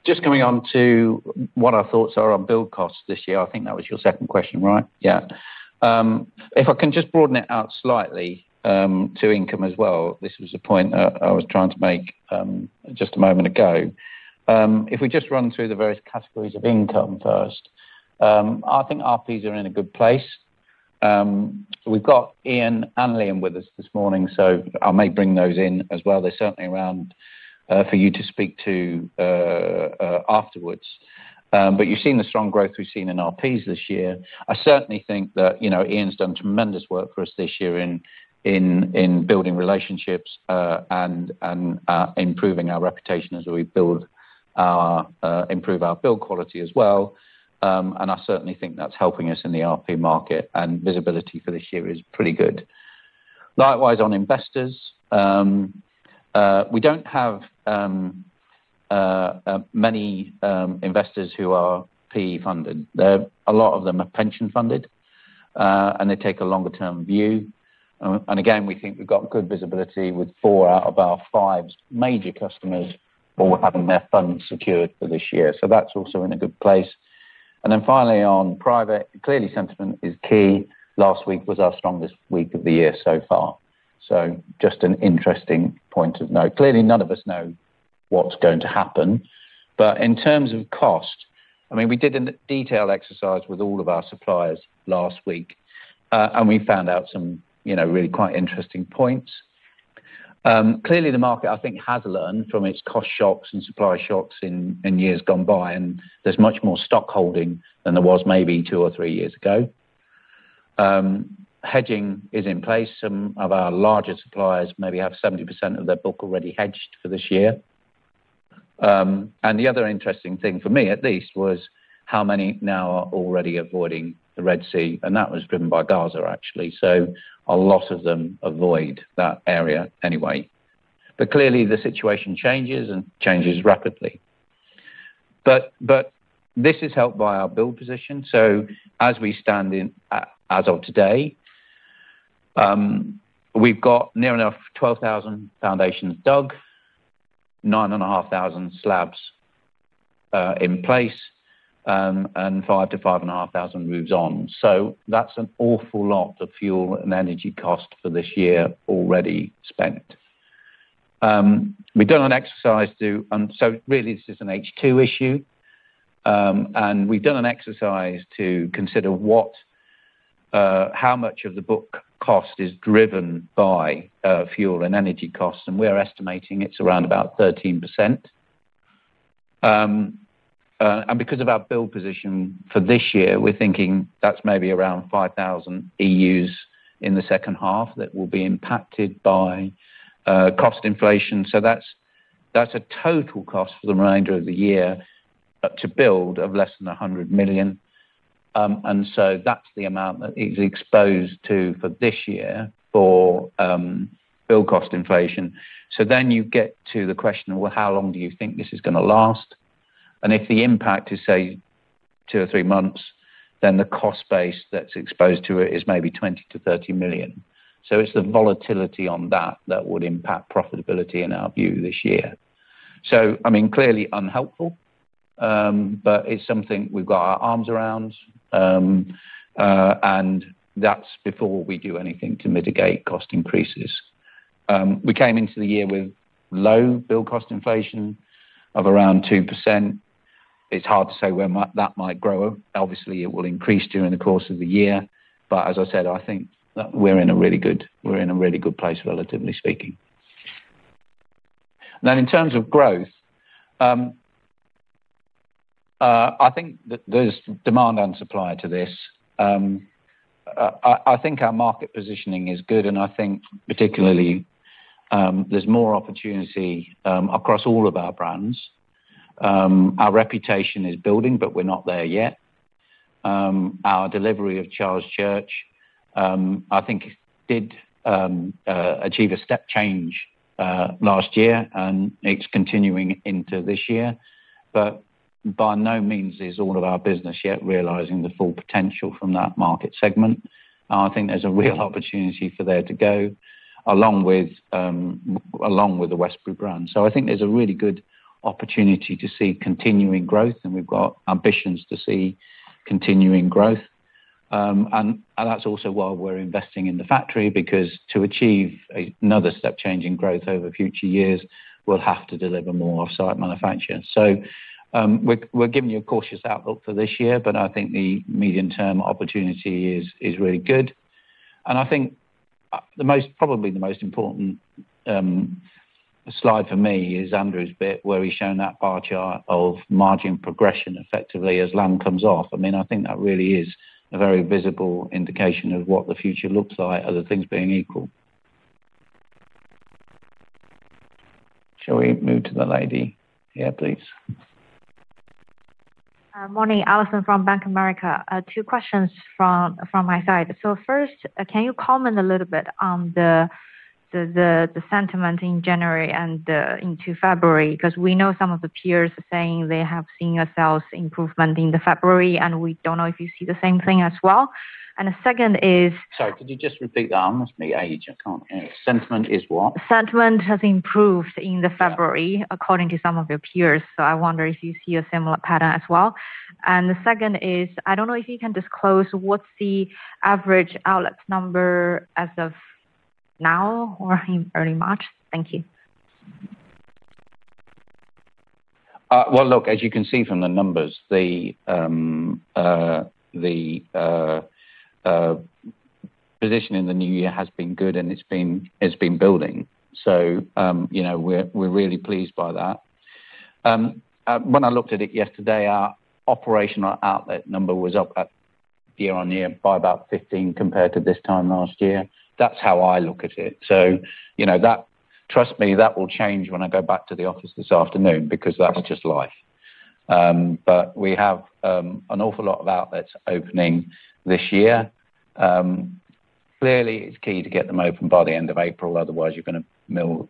Just coming on to what our thoughts are on build costs this year. I think that was your second question, right? If I can just broaden it out slightly, to income as well. This was a point that I was trying to make, just a moment ago. If we just run through the various categories of income first, I think RPs are in a good place. We've got Ian and Liam with us this morning, so I may bring those in as well. They're certainly around for you to speak to afterwards. You've seen the strong growth we've seen in RPs this year. I certainly think that you know Ian's done tremendous work for us this year in building relationships and improving our reputation as we improve our build quality as well. I certainly think that's helping us in the RP market, and visibility for this year is pretty good. Likewise on investors, we don't have many investors who are PE funded. A lot of them are pension funded and they take a longer-term view. Again, we think we've got good visibility with four out of our five major customers all having their funds secured for this year. That's also in a good place. Finally on private, clearly sentiment is key. Last week was our strongest week of the year so far. Just an interesting point of note. Clearly, none of us know what's going to happen. In terms of cost, I mean, we did a detailed exercise with all of our suppliers last week, and we found out some, you know, really quite interesting points. Clearly, the market, I think, has learned from its cost shocks and supply shocks in years gone by, and there's much more stockholding than there was maybe two or three years ago. Hedging is in place. Some of our larger suppliers maybe have 70% of their book already hedged for this year. The other interesting thing for me at least was how many now are already avoiding the Red Sea, and that was driven by Gaza, actually. A lot of them avoid that area anyway. Clearly the situation changes and changes rapidly. This is helped by our build position. As we stand, as of today, we've got near enough 12,000 foundations dug, 9,500 slabs in place, and 5,000-5,500 roofs on. That's an awful lot of fuel and energy cost for this year already spent. Really this is an H2 issue. We've done an exercise to consider what, how much of the build cost is driven by fuel and energy costs, and we're estimating it's around about 13%. Because of our build position for this year, we're thinking that's maybe around 5,000 EUs in the second half that will be impacted by cost inflation. That's a total cost for the remainder of the year to build of less than 100 million. That's the amount that is exposed to for this year for build cost inflation. You get to the question of, well, how long do you think this is gonna last? If the impact is, say, two or three months, then the cost base that's exposed to it is maybe 20 million-30 million. It's the volatility on that that would impact profitability in our view this year. I mean, clearly unhelpful, but it's something we've got our arms around, and that's before we do anything to mitigate cost increases. We came into the year with low build cost inflation of around 2%. It's hard to say where that might grow. Obviously, it will increase during the course of the year. As I said, I think that we're in a really good place, relatively speaking. Now, in terms of growth, I think that there's demand and supply to this. I think our market positioning is good, and I think particularly, there's more opportunity across all of our brands. Our reputation is building, but we're not there yet. Our delivery of Charles Church, I think did achieve a step change last year, and it's continuing into this year. By no means is all of our business yet realizing the full potential from that market segment. I think there's a real opportunity for there to go along with, along with the Westbury brand. I think there's a really good opportunity to see continuing growth, and we've got ambitions to see continuing growth. That's also why we're investing in the factory because to achieve another step change in growth over future years, we'll have to deliver more off-site manufacturing. We're giving you a cautious outlook for this year, but I think the medium-term opportunity is really good. I think the most. Probably the most important slide for me is Andrew's bit, where he's shown that bar chart of margin progression effectively as land comes off. I mean, I think that really is a very visible indication of what the future looks like other things being equal. Shall we move to the lady here, please? Morning. Allison Sun from Bank of America. Two questions from my side. First, can you comment a little bit on the sentiment in January and into February? 'Cause we know some of the peers are saying they have seen a sales improvement in February, and we don't know if you see the same thing as well. And the second is Sorry, could you just repeat that? It must be age. I can't hear. Sentiment is what? Sentiment has improved in February according to some of your peers, so I wonder if you see a similar pattern as well. The second is, I don't know if you can disclose what's the average outlet number as of now or in early March. Thank you. Well, look, as you can see from the numbers, the position in the new year has been good and it's been building. You know, we're really pleased by that. When I looked at it yesterday, our operational outlet number was up year-over-year by about 15 compared to this time last year. That's how I look at it. You know, trust me, that will change when I go back to the office this afternoon because that's just life. We have an awful lot of outlets opening this year. Clearly it's key to get them open by the end of April, otherwise you're gonna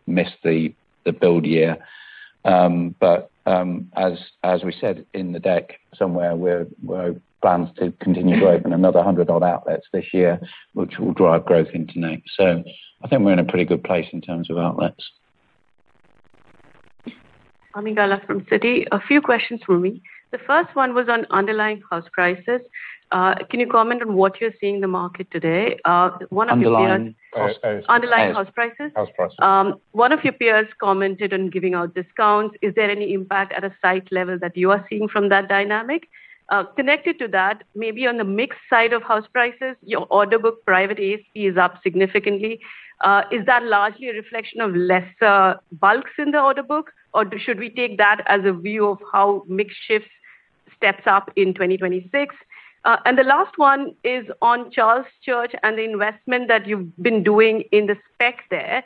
miss the build year. As we said in the deck somewhere, we have plans to continue growing another 100 odd outlets this year, which will drive growth into next. I think we're in a pretty good place in terms of outlets. Ami Galla from Citi. A few questions from me. The first one was on underlying house prices. Can you comment on what you're seeing in the market today? One of your peers. Underlying? Underlying house prices. House prices. One of your peers commented on giving out discounts. Is there any impact at a site level that you are seeing from that dynamic? Connected to that, maybe on the mixed side of house prices, your order book private ASP is up significantly. Is that largely a reflection of lesser bulks in the order book, or should we take that as a view of how mix shifts? Steps up in 2026. The last one is on Charles Church and the investment that you've been doing in the specs there.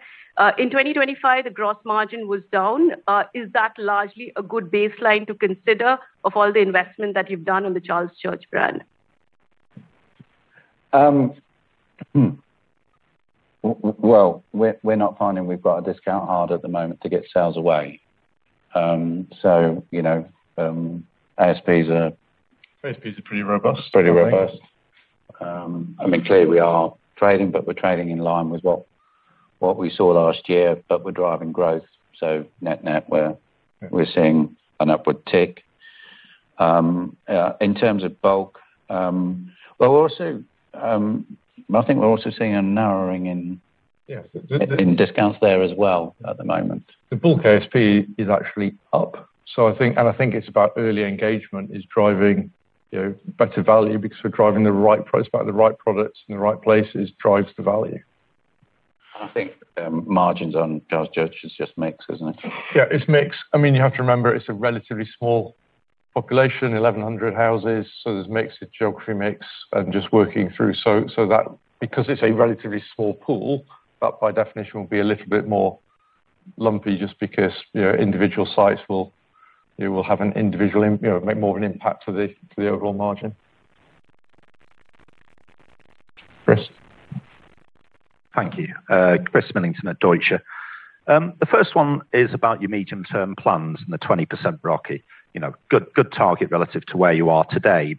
In 2025, the gross margin was down. Is that largely a good baseline to consider of all the investment that you've done on the Charles Church brand? Well, we're not finding we've got to discount hard at the moment to get sales away. You know, ASPs are. ASPs are pretty robust. Pretty robust. I mean, clearly, we are trading, but we're trading in line with what we saw last year, but we're driving growth. Net-net, we're seeing an upward tick. In terms of book, well, I think we're also seeing a narrowing in. Yes. In discounts there as well at the moment. The bulk ASP is actually up. I think it's about early engagement is driving, you know, better value because we're driving the right price by the right products in the right places drives the value. I think, margins on Charles Church is just mix, isn't it? Yeah, it's mix. I mean, you have to remember it's a relatively small population, 1,100 houses. There's mix, the geography mix, and just working through. So that because it's a relatively small pool, that by definition will be a little bit more lumpy just because, you know, individual sites will, you know, will have an individual impact, you know, make more of an impact to the overall margin. Chris. Thank you. Chris Millington at Deutsche Bank. The first one is about your medium-term plans and the 20% ROCE. You know, good target relative to where you are today.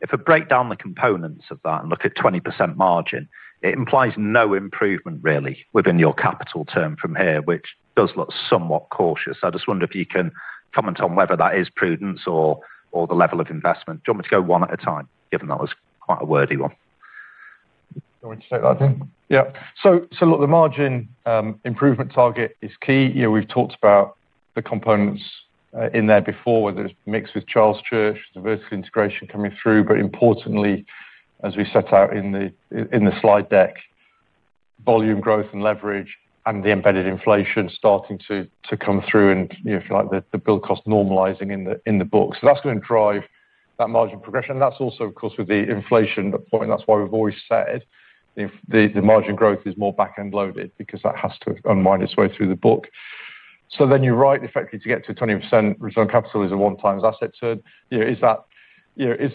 If I break down the components of that and look at 20% margin, it implies no improvement really within your capital turnover from here, which does look somewhat cautious. I just wonder if you can comment on whether that is prudence or the level of investment. Do you want me to go one at a time, given that was quite a wordy one? You want me to take that, Dean? Yeah. Look, the margin improvement target is key. You know, we've talked about the components in there before, whether it's mix with Charles Church, diversity integration coming through. Importantly, as we set out in the slide deck, volume growth and leverage and the embedded inflation starting to come through and, you know, if you like, the build cost normalizing in the book. That's gonna drive that margin progression. That's also, of course, with the inflation point, that's why we've always said if the margin growth is more back-end loaded because that has to unwind its way through the book. Then you're right, effectively, to get to 20% return on capital is a 1x asset turn. You know, is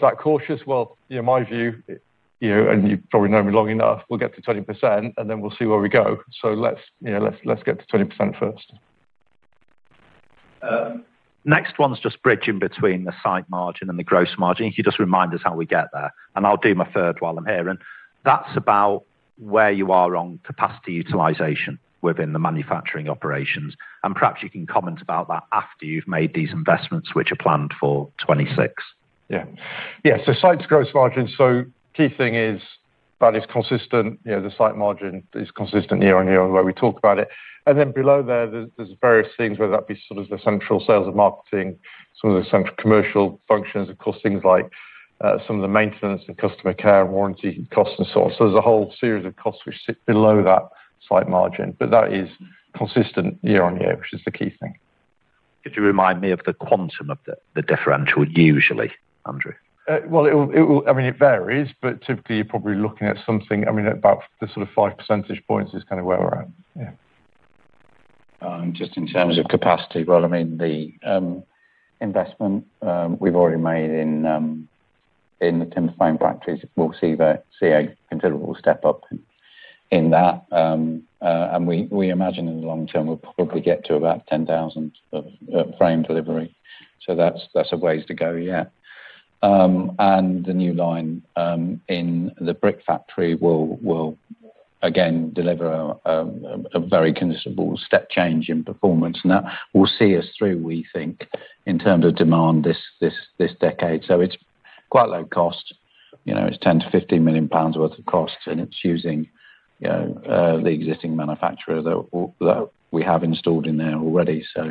that cautious? Well, you know, my view, you know, and you probably know me long enough, we'll get to 20%, and then we'll see where we go. Let's, you know, get to 20% first. Next one's just bridging between the site margin and the gross margin. Can you just remind us how we get there? I'll do my third while I'm here. That's about where you are on capacity utilization within the manufacturing operations. Perhaps you can comment about that after you've made these investments, which are planned for 2026. Yeah. The site's gross margin. The key thing is that is consistent, you know, the site margin is consistent year-over-year the way we talk about it. Below there's various things, whether that be sort of the central sales and marketing, some of the central commercial functions, of course, things like some of the maintenance and customer care and warranty costs and so on. There's a whole series of costs which sit below that site margin, but that is consistent year-over-year, which is the key thing. Could you remind me of the quantum of the differential usually, Andrew? Well, I mean, it varies, but typically you're probably looking at something, I mean about the sort of 5 percentage points is kind of where we're at. Yeah. Just in terms of capacity, well, I mean, the investment we've already made in the timber frame factories will see a considerable step up in that. We imagine in the long term, we'll probably get to about 10,000 of frame delivery. That's a ways to go yet. The new line in the brick factory will again deliver a very considerable step change in performance. That will see us through, we think, in terms of demand this decade. It's quite low cost. You know, it's 10 million-15 million pounds worth of costs, and it's using, you know, the existing manufacturer that we have installed in there already. It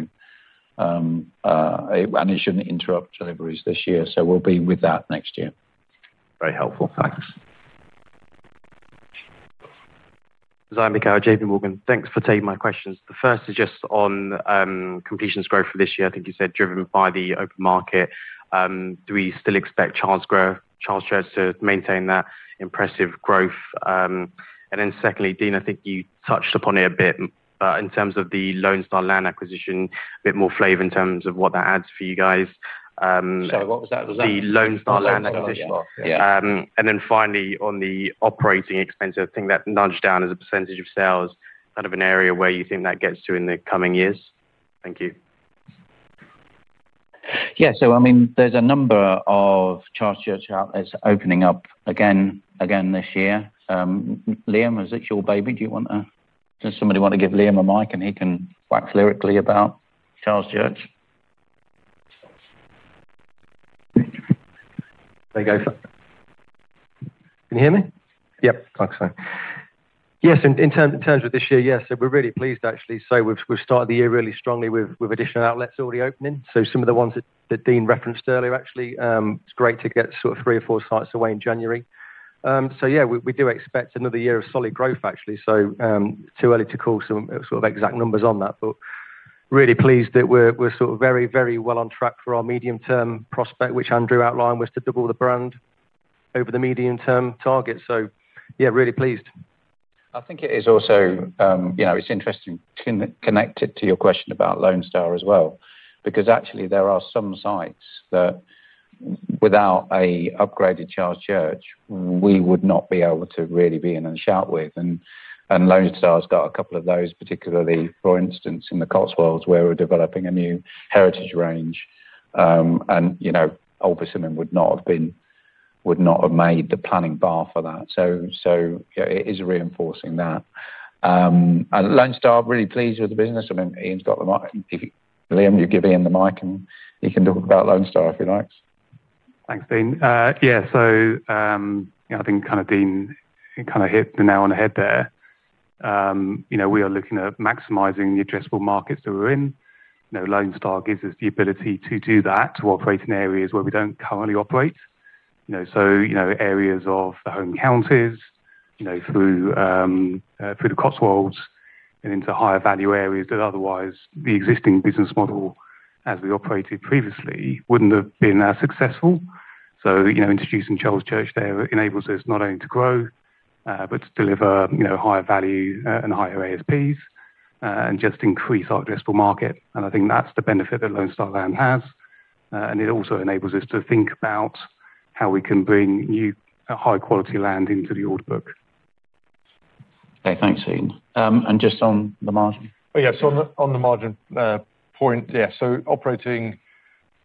shouldn't interrupt deliveries this year, so we'll be with that next year. Very helpful. Thanks. Zaim Beekawa, J.P. Morgan. Thanks for taking my questions. The first is just on completions growth for this year. I think you said driven by the open market. Do we still expect Charles Church to maintain that impressive growth? Secondly, Dean, I think you touched upon it a bit in terms of the Lone Star land acquisition. A bit more flavor in terms of what that adds for you guys. Sorry, what was that? The Lone Star land acquisition. Oh, Lone Star. Yeah. Finally on the operating expense, I think that nudge down as a percentage of sales, kind of an area where you think that gets to in the coming years. Thank you. Yeah. I mean, there's a number of Charles Church outlets opening up again this year. Liam, is it your baby? Does somebody wanna give Liam a mic and he can talk lyrically about Charles Church? There you go, sir. Can you hear me? Okay. Yes. In terms of this year, yes. We're really pleased actually. We've started the year really strongly with additional outlets already opening. Some of the ones that Dean referenced earlier, actually, it's great to get sort of three or four sites away in January. Yeah, we do expect another year of solid growth actually. Too early to call some sort of exact numbers on that, but really pleased that we're sort of very well on track for our medium-term prospect, which Andrew outlined was to double the brand over the medium-term target. Yeah, really pleased. I think it is also, you know, it's interesting connected to your question about Lone Star as well, because actually there are some sites that without an upgraded Charles Church, we would not be able to really be in and shout with. Lone Star's got a couple of those, particularly for instance, in the Cotswolds, where we're developing a new heritage range. You know, old Persimmon would not have made the planning bar for that. Yeah, it is reinforcing that. Lone Star, really pleased with the business. I mean, Ian's got the mic. Liam, you give Ian the mic, and he can talk about Lone Star if he likes. Thanks, Dean. Yeah. You know, I think kind of Dean hit the nail on the head there. You know, we are looking at maximizing the addressable markets that we're in. You know, Lone Star gives us the ability to do that, to operate in areas where we don't currently operate. You know, areas of the Home Counties, you know, through the Cotswolds and into higher value areas that otherwise the existing business model as we operated previously wouldn't have been as successful. Introducing Charles Church there enables us not only to grow, but to deliver, you know, higher value and higher ASPs and just increase our addressable market. I think that's the benefit that Lone Star land has. It also enables us to think about how we can bring new high quality land into the order book. Okay, thanks, Ian. Just on the margin. Yes, on the margin point. Yeah, so operating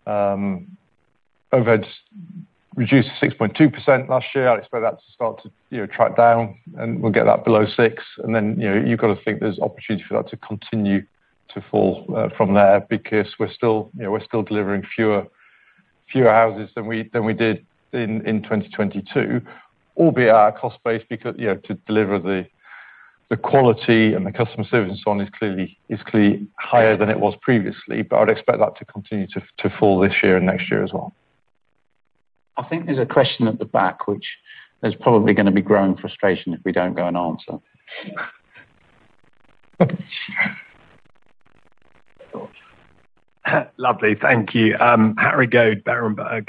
overheads reduced to 6.2% last year. I'd expect that to start to track down, and we'll get that below 6%. Then, you know, you've got to think there's opportunity for that to continue to fall from there because we're still delivering fewer houses than we did in 2022, albeit our cost base because to deliver the quality and the customer service and so on is clearly higher than it was previously. But I'd expect that to continue to fall this year and next year as well. I think there's a question at the back which there's probably gonna be growing frustration if we don't go and answer. Lovely. Thank you. Harry Goad, Berenberg.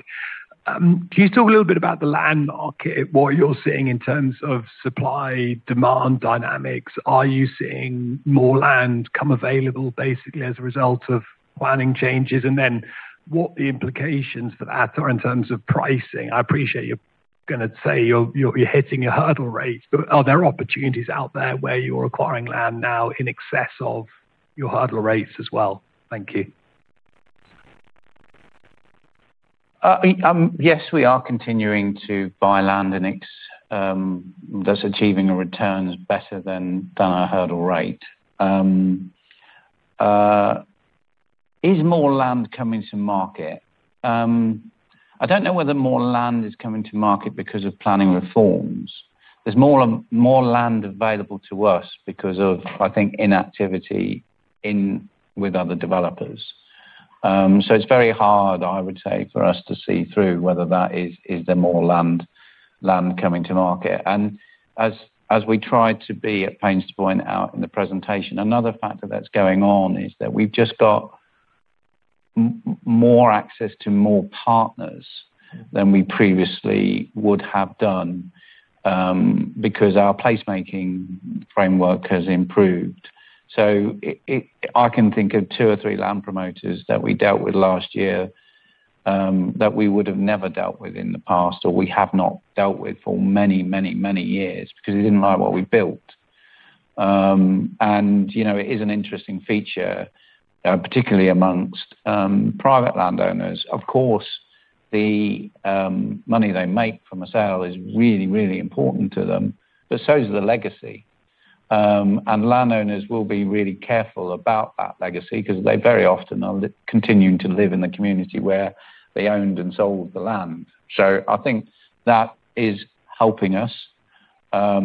Can you talk a little bit about the land market, what you're seeing in terms of supply, demand dynamics? Are you seeing more land come available basically as a result of planning changes? What the implications for that are in terms of pricing? I appreciate you're gonna say you're hitting your hurdle rates, but are there opportunities out there where you're acquiring land now in excess of your hurdle rates as well? Thank you. Yes, we are continuing to buy land, and it's thus achieving a return is better than our hurdle rate. Is more land coming to market? I don't know whether more land is coming to market because of planning reforms. There's more land available to us because of, I think, inactivity in with other developers. So it's very hard, I would say, for us to see through whether that is there more land coming to market. As we tried to be at pains to point out in the presentation, another factor that's going on is that we've just got more access to more partners than we previously would have done, because our placemaking framework has improved. I can think of two or three land promoters that we dealt with last year that we would have never dealt with in the past or we have not dealt with for many, many, many years because they didn't like what we built. You know, it is an interesting feature, particularly among private landowners. Of course, the money they make from a sale is really, really important to them, but so is the legacy. Landowners will be really careful about that legacy 'cause they very often are continuing to live in the community where they owned and sold the land. I think that is helping us as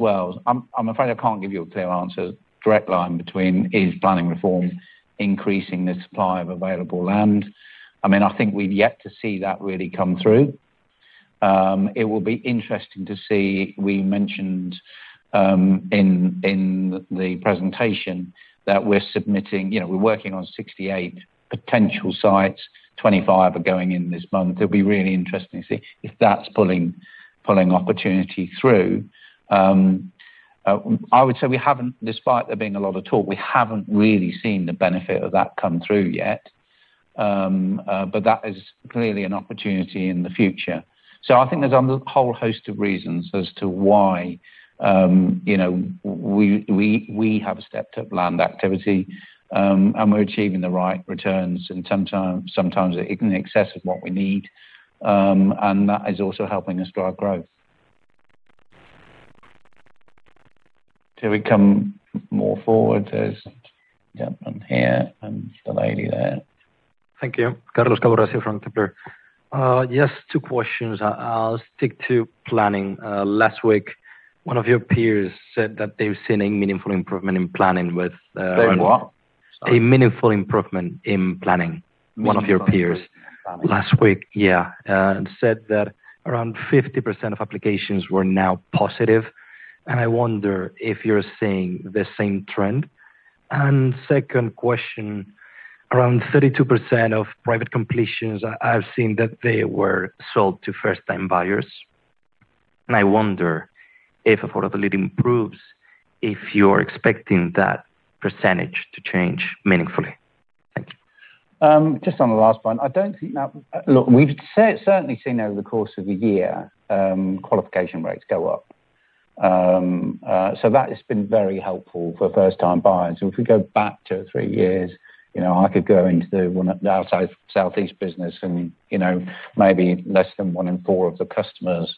well. I'm afraid I can't give you a clear answer. Direct line between is planning reform increasing the supply of available land. I mean, I think we've yet to see that really come through. It will be interesting to see. We mentioned in the presentation that we're submitting. You know, we're working on 68 potential sites. 25 are going in this month. It'll be really interesting to see if that's pulling opportunity through. I would say we haven't, despite there being a lot of talk, we haven't really seen the benefit of that come through yet. But that is clearly an opportunity in the future. I think there's a whole host of reasons as to why, you know, we have stepped up land activity, and we're achieving the right returns and sometimes even in excess of what we need. And that is also helping us drive growth. Shall we come more forward? There's a gentleman here and the lady there. Thank you. Charlie Campbell from Stifel. Just two questions. I'll stick to planning. Last week, one of your peers said that they've seen a meaningful improvement in planning with, Berenberg? A meaningful improvement in planning. One of your peers last week, yeah, said that around 50% of applications were now positive, and I wonder if you're seeing the same trend. Second question, around 32% of private completions, I've seen that they were sold to first-time buyers. I wonder if affordability improves if you're expecting that percentage to change meaningfully. Thank you. Just on the last one, I don't think that. Look, we've certainly seen over the course of a year, qualification rates go up. That has been very helpful for first-time buyers. If we go back two or three years, you know, I could go into one of the outside Southeast business and, you know, maybe less than one in four of the customers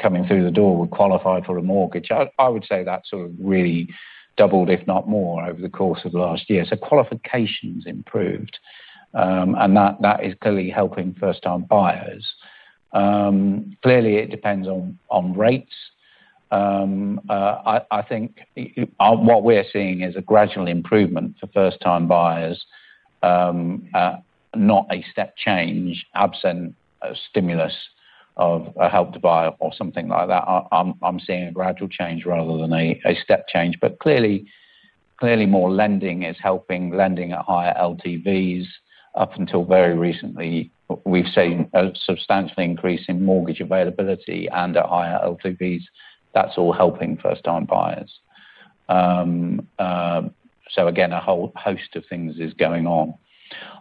coming through the door would qualify for a mortgage. I would say that sort of really doubled, if not more, over the course of last year. Qualification's improved, and that is clearly helping first-time buyers. Clearly it depends on rates. I think it what we're seeing is a gradual improvement for first-time buyers, not a step change absent a stimulus of a Help to Buy or something like that. I'm seeing a gradual change rather than a step change. Clearly more lending is helping, lending at higher LTVs. Up until very recently, we've seen a substantial increase in mortgage availability and at higher LTVs. That's all helping first-time buyers. Again, a whole host of things is going on.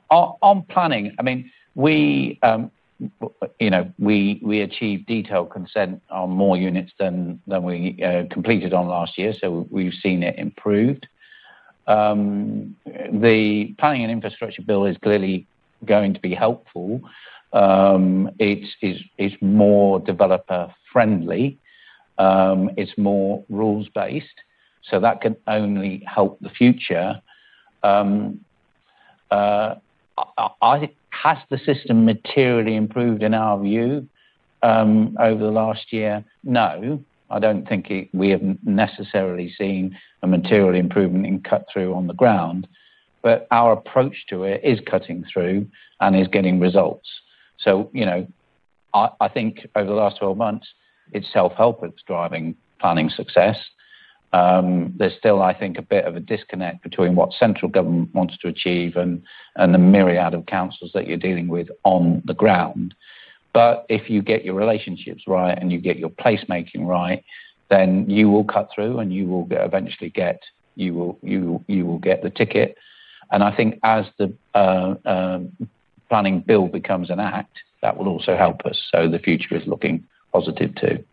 On planning, I mean, you know, we achieve detailed consent on more units than we completed on last year, so we've seen it improved. The planning and infrastructure bill is clearly going to be helpful. It's more developer friendly. It's more rules based, so that can only help the future. Has the system materially improved in our view over the last year? No. I don't think we have necessarily seen a material improvement in cut-through on the ground. Our approach to it is cladding through and is getting results. You know, I think over the last 12 months, it's self-help that's driving planning success. There's still, I think, a bit of a disconnect between what central government wants to achieve and the myriad of councils that you're dealing with on the ground. If you get your relationships right and you get your placemaking right, then you will cut through and you will eventually get the ticket. I think as the planning bill becomes an act, that will also help us. The future is looking positive too.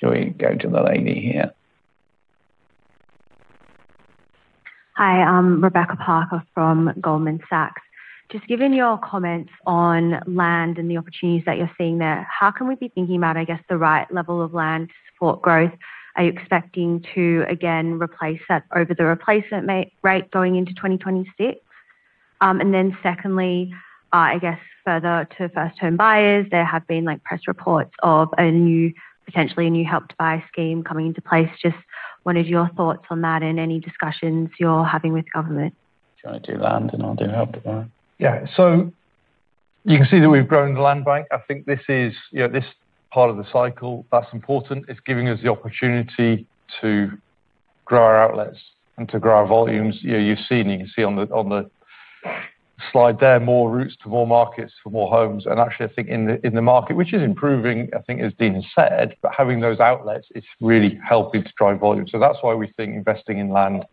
Shall we go to the lady here? Hi, I'm Rebecca Parker from Goldman Sachs. Just given your comments on land and the opportunities that you're seeing there, how can we be thinking about, I guess, the right level of land to support growth? Are you expecting to again replace that over the replacement rate going into 2026? And then secondly, I guess further to first home buyers, there have been press reports of potentially a new Help to Buy scheme coming into place. Just wondered your thoughts on that and any discussions you're having with government. Do you wanna do land and I'll do Help to Buy? Yeah. You can see that we've grown the land bank. I think this is, you know, this part of the cycle that's important. It's giving us the opportunity to grow our outlets and to grow our volumes. You know, you've seen, you can see on the, on the slide there more routes to more markets for more homes. Actually, I think in the, in the market, which is improving, I think as Dean has said, but having those outlets, it's really helping to drive volume. That's why we think investing in land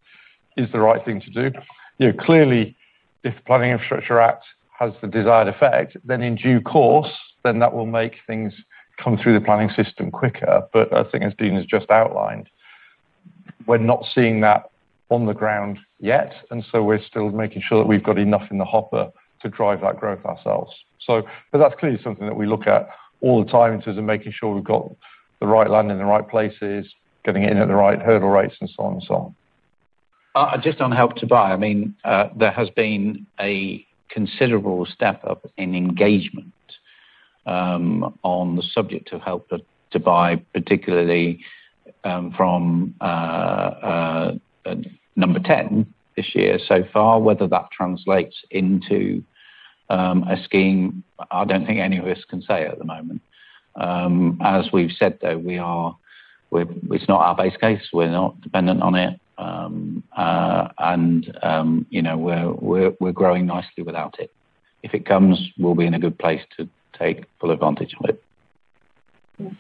is the right thing to do. You know, clearly, if the Planning and Infrastructure Act has the desired effect, then in due course, then that will make things come through the planning system quicker. I think as Dean has just outlined, we're not seeing that on the ground yet, and so we're still making sure that we've got enough in the hopper to drive that growth ourselves. That's clearly something that we look at all the time in terms of making sure we've got the right land in the right places, getting it in at the right hurdle rates, and so on and so on. Just on Help to Buy, I mean, there has been a considerable step up in engagement on the subject of Help to Buy, particularly from Number 10 this year so far. Whether that translates into a scheme, I don't think any of us can say at the moment. As we've said, though, it's not our base case, we're not dependent on it, and you know, we're growing nicely without it. If it comes, we'll be in a good place to take full advantage of it. Yes.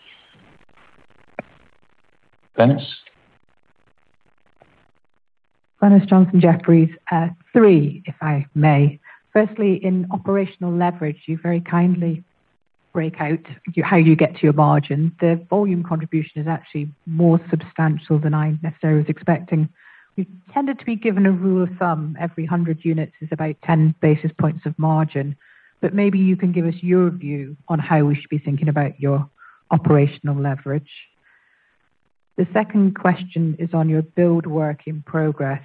Lewis. Clyde Lewis from Jefferies. Three, if I may. Firstly, in operational leverage, you very kindly break out how you get to your margin. The volume contribution is actually more substantial than I necessarily was expecting. We tended to be given a rule of thumb, every 100 units is about 10 basis points of margin. Maybe you can give us your view on how we should be thinking about your operational leverage. The second question is on your build work in progress.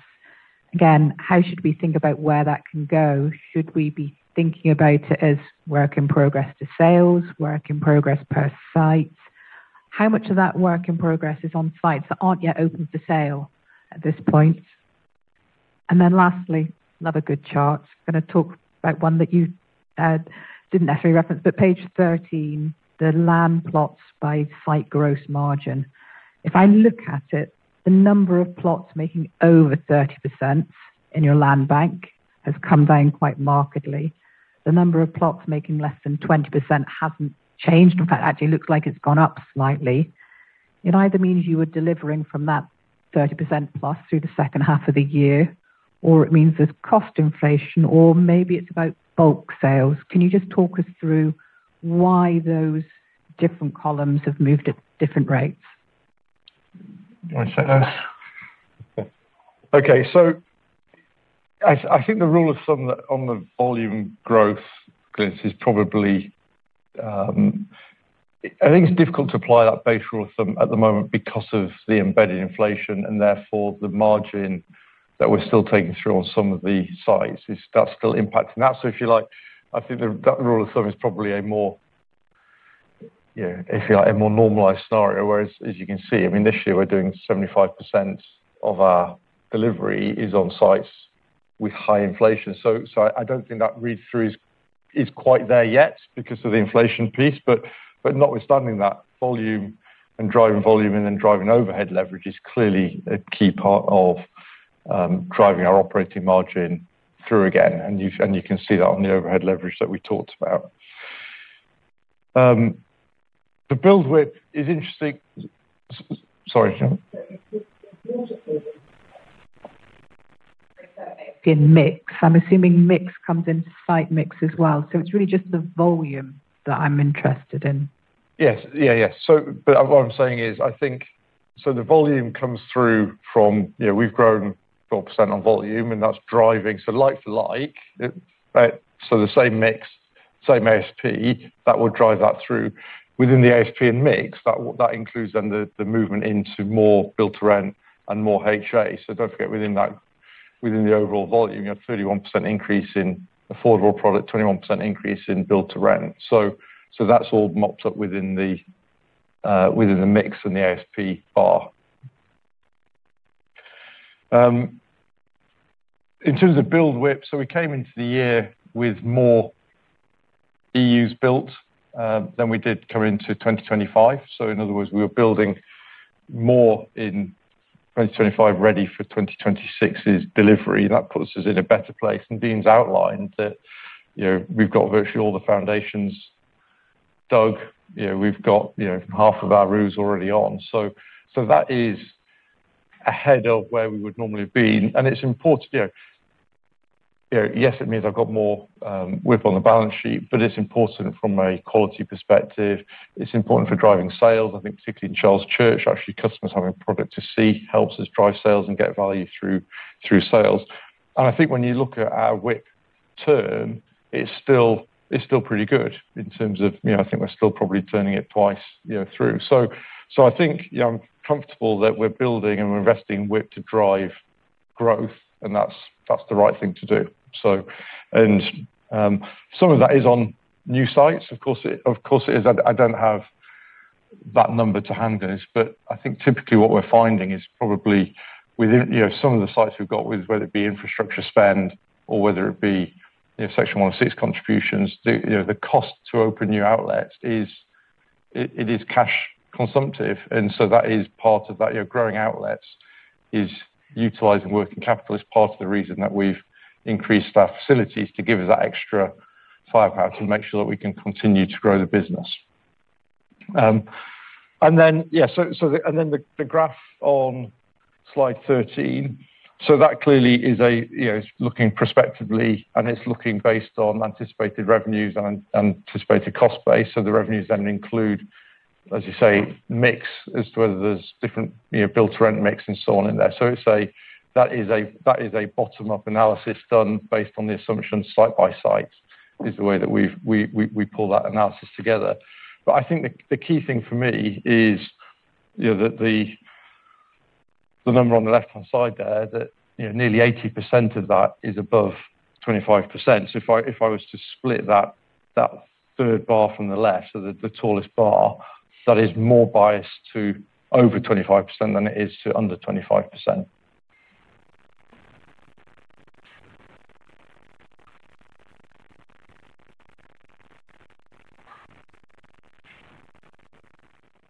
Again, how should we think about where that can go? Should we be thinking about it as work in progress to sales, work in progress per site? How much of that work in progress is on sites that aren't yet open for sale at this point? Lastly, another good chart. Gonna talk about one that you didn't necessarily reference, but page 13, the land plots by site gross margin. If I look at it, the number of plots making over 30% in your land bank has come down quite markedly. The number of plots making less than 20% hasn't changed. In fact, actually looks like it's gone up slightly. It either means you were delivering from that 30% plus through the second half of the year, or it means there's cost inflation, or maybe it's about bulk sales. Can you just talk us through why those different columns have moved at different rates? You wanna take that? Okay. I think the rule of thumb that on the volume growth, Clyde, is probably. I think it's difficult to apply that base rule of thumb at the moment because of the embedded inflation, and therefore, the margin that we're still taking through on some of the sites is that's still impacting that. If you like, I think that rule of thumb is probably a more, you know, if you like, a more normalized scenario. Whereas as you can see, I mean, this year we're doing 75% of our delivery is on sites with high inflation. I don't think that read-through is quite there yet because of the inflation piece. Notwithstanding that volume and driving volume and then driving overhead leverage is clearly a key part of driving our operating margin through again. You can see that on the overhead leverage that we talked about. The build WIP is interesting. Sorry, go on. In mix. I'm assuming mix comes into site mix as well. It's really just the volume that I'm interested in. Yes. Yeah. Yeah. What I'm saying is, I think so the volume comes through from, you know, we've grown 12% on volume, and that's driving. Like for like, so the same mix, same ASP, that would drive that through. Within the ASP and mix, that includes then the movement into more Build to Rent and more HA. Don't forget within that, within the overall volume, you have 31% increase in affordable product, 21% increase in Build to Rent. So that's all mopped up within the mix and the ASP bar. In terms of build WIP, we came into the year with more EUs built than we did come into 2025. In other words, we were building more in 2025 ready for 2026's delivery. That puts us in a better place. Dean's outlined that, you know, we've got virtually all the foundations dug. You know, we've got, you know, half of our roofs already on. So that is ahead of where we would normally have been. It's important, you know. You know, yes, it means I've got more WIP on the balance sheet, but it's important from a quality perspective. It's important for driving sales. I think particularly in Charles Church, actually customers having product to see helps us drive sales and get value through sales. I think when you look at our WIP term, it's still pretty good in terms of, you know, I think we're still probably turning it twice, you know, through. So I think, yeah, I'm comfortable that we're building and we're investing WIP to drive growth, and that's the right thing to do. Some of that is on new sites. Of course it is. I don't have that number to hand, guys. But I think typically what we're finding is probably within, you know, some of the sites we've got with whether it be infrastructure spend or whether it be, you know, Section 106 contributions. You know, the cost to open new outlets is cash consumptive. That is part of that. You know, growing outlets is utilizing working capital is part of the reason that we've increased our facilities to give us that extra firepower to make sure that we can continue to grow the business. The graph on slide 13. That clearly is a, you know, it's looking prospectively, and it's looking based on anticipated revenues and anticipated cost base. The revenues then include, as you say, mix as to whether there's different, you know, Build to Rent mix and so on in there. That is a bottom-up analysis done based on the assumption site by site is the way that we pull that analysis together. I think the key thing for me is, you know, that the number on the left-hand side there that, you know, nearly 80% of that is above 25%. If I was to split that third bar from the left, so the tallest bar, that is more biased to over 25% than it is to under 25%.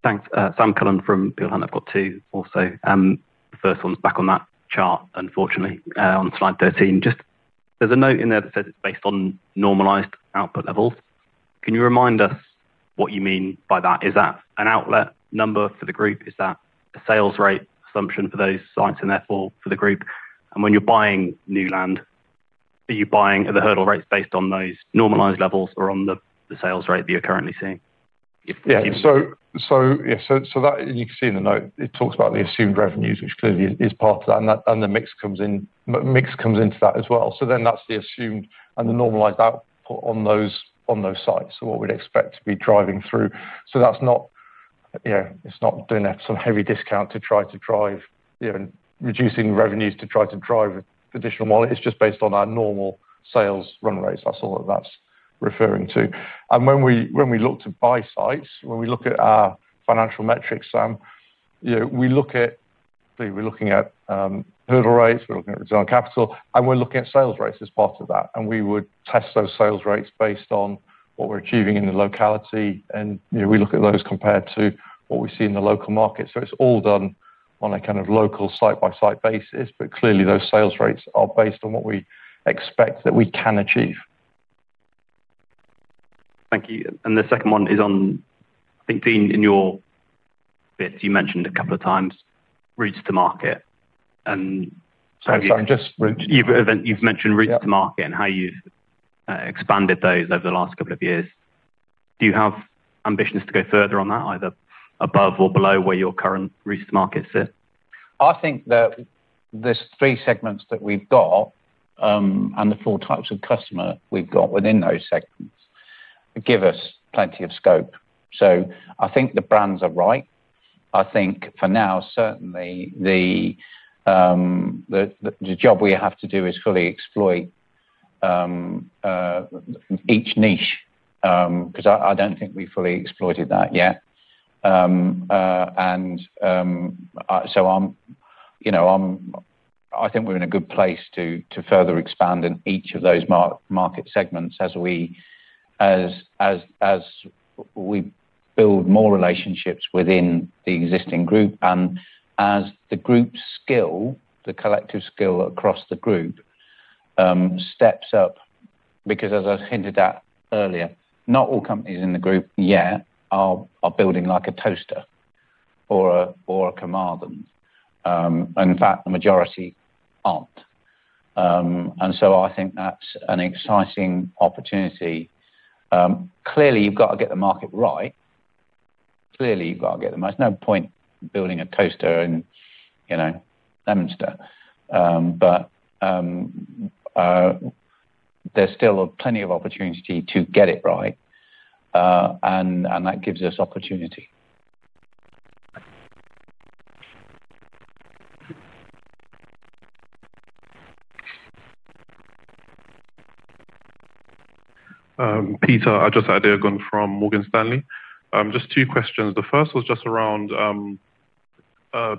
Thanks. Sam Cullen from Peel Hunt. I've got two also. The first one's back on that chart, unfortunately, on slide 13. Just, there's a note in there that says it's based on normalized output levels. Can you remind us what you mean by that? Is that an outlet number for the group? Is that a sales rate assumption for those sites and therefore for the group? And when you're buying new land, are you buying the hurdle rates based on those normalized levels or on the sales rate that you're currently seeing? Yeah. That you can see in the note, it talks about the assumed revenues, which clearly is part of that, and that, and the mix comes in. Mix comes into that as well. That's the assumed and the normalized output on those sites. What we'd expect to be driving through. That's not, you know, it's not doing some heavy discount to try to drive, you know, reducing revenues to try to drive additional margin. It's just based on our normal sales run rates. That's all. When we look to buy sites, when we look at our financial metrics, you know, we're looking at hurdle rates, we're looking at return on capital, and we're looking at sales rates as part of that, and we would test those sales rates based on what we're achieving in the locality. You know, we look at those compared to what we see in the local market. It's all done on a kind of local site-by-site basis. Clearly, those sales rates are based on what we expect that we can achieve. Thank you. The second one is on, I think, Dean, in your bit, you mentioned a couple of times routes to market and- Sorry, just routes. You've mentioned routes to market and how you've expanded those over the last couple of years. Do you have ambitions to go further on that, either above or below where your current routes to markets sit? I think that these three segments that we've got, and the four types of customer we've got within those segments give us plenty of scope. I think the brands are right. I think for now, certainly the job we have to do is fully exploit each niche, 'cause I don't think we fully exploited that yet. I'm, you know, I think we're in a good place to further expand in each of those market segments as we build more relationships within the existing group and as the group's skill, the collective skill across the group, steps up because as I hinted at earlier, not all companies in the group yet are building like a Towcester or a Carmarthen. In fact, the majority aren't. I think that's an exciting opportunity. Clearly you've got to get the market right. There's no point building a Towcester in, you know, Leominster. But there's still plenty of opportunity to get it right, and that gives us opportunity. Peter Ajose-Adeogun from Morgan Stanley. Just two questions. The first was just around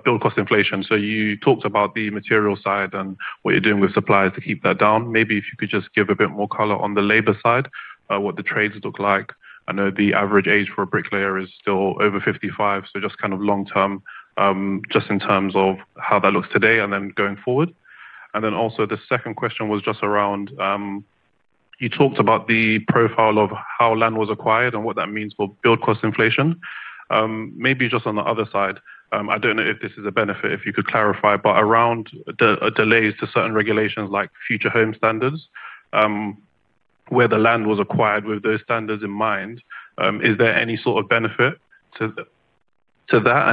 build cost inflation. You talked about the material side and what you're doing with suppliers to keep that down. Maybe if you could just give a bit more color on the labor side, what the trades look like. I know the average age for a bricklayer is still over 55, so just kind of long-term, just in terms of how that looks today and then going forward. The second question was just around you talked about the profile of how land was acquired and what that means for build cost inflation. Maybe just on the other side, I don't know if this is a benefit if you could clarify, but around delays to certain regulations like Future Homes Standard, where the land was acquired with those standards in mind, is there any sort of benefit to that?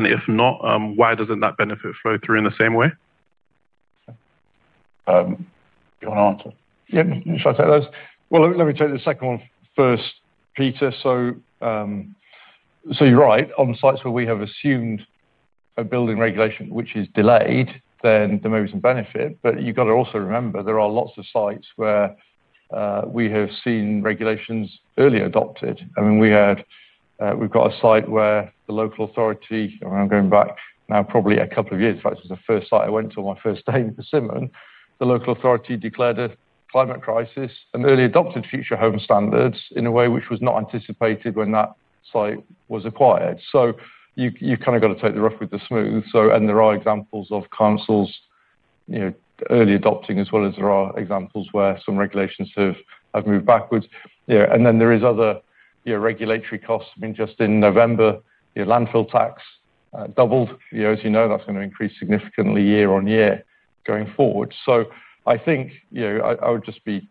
If not, why doesn't that benefit flow through in the same way? Do you wanna answer? Yeah. Should I take those? Well, let me take the second one first, Peter. You're right. On sites where we have assumed a building regulation which is delayed, then there may be some benefit. You've got to also remember, there are lots of sites where, we have seen regulations early adopted. I mean, we've got a site where the local authority, and I'm going back now probably a couple of years. In fact, it's the first site I went to on my first day with Persimmon. The local authority declared a climate crisis and early adopted Future Homes Standard in a way which was not anticipated when that site was acquired. You kind of got to take the rough with the smooth. There are examples of councils, you know, early adopting, as well as there are examples where some regulations have moved backwards. You know, and then there is other, you know, regulatory costs. I mean, just in November, your Landfill Tax doubled. You know, as you know, that's gonna increase significantly year on year going forward. I think, you know, I would just be